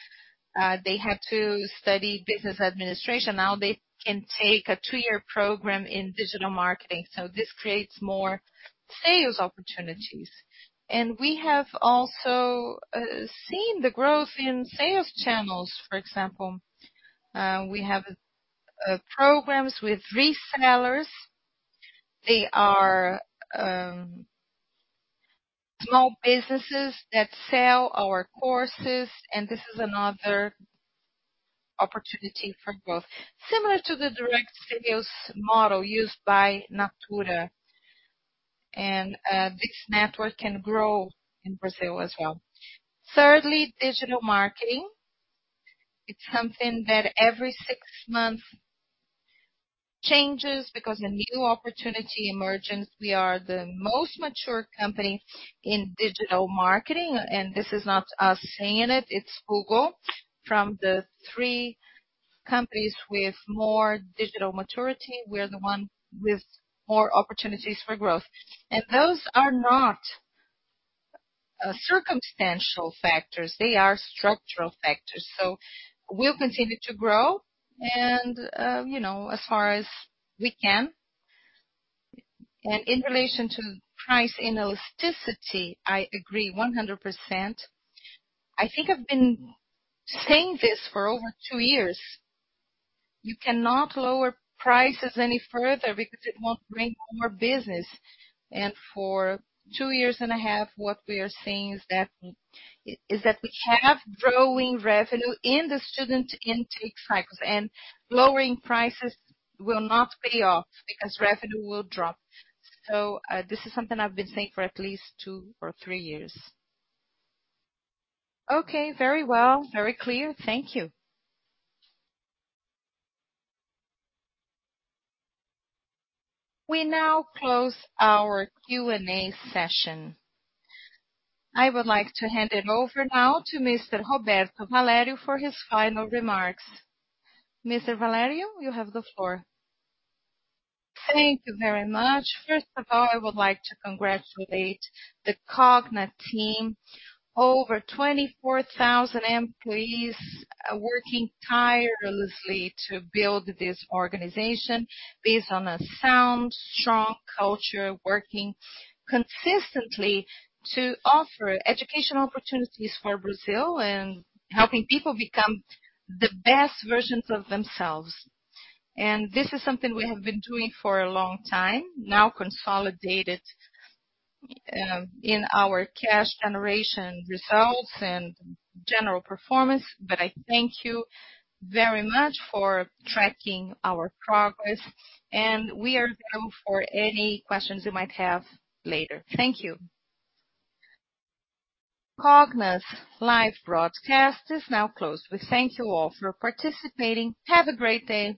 they had to study business administration. Now they can take a two-year program in digital marketing. This creates more sales opportunities. We have also seen the growth in sales channels, for example. We have programs with resellers. They are small businesses that sell our courses, and this is another opportunity for growth. Similar to the direct sales model used by Natura. This network can grow in Brazil as well. Thirdly, digital marketing. It's something that every six months changes because a new opportunity emergence. We are the most mature company in digital marketing, and this is not us saying it's Google. From the three companies with more digital maturity, we're the one with more opportunities for growth. Those are not, circumstantial factors, they are structural factors. We'll continue to grow and, you know, as far as we can. In relation to price inelasticity, I agree 100%. I think I've been saying this for over two years. You cannot lower prices any further because it won't bring more business. For two years and a half, what we are seeing is that we have growing revenue in the student intake cycles, and lowering prices will not pay off because revenue will drop. This is something I've been saying for at least two or three years. Okay. Very well. Very clear. Thank you. We now close our Q&A session. I would like to hand it over now to Mr. Roberto Valério for his final remarks. Mr. Valério, you have the floor. Thank you very much. First of all, I would like to congratulate the Cogna team. Over 24,000 employees are working tirelessly to build this organization based on a sound, strong culture, working consistently to offer educational opportunities for Brazil and helping people become the best versions of themselves. This is something we have been doing for a long time, now consolidated in our cash generation results and general performance. I thank you very much for tracking our progress, and we are available for any questions you might have later. Thank you. Cogna's live broadcast is now closed. We thank you all for participating. Have a great day,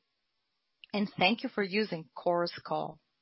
and thank you for using Chorus Call.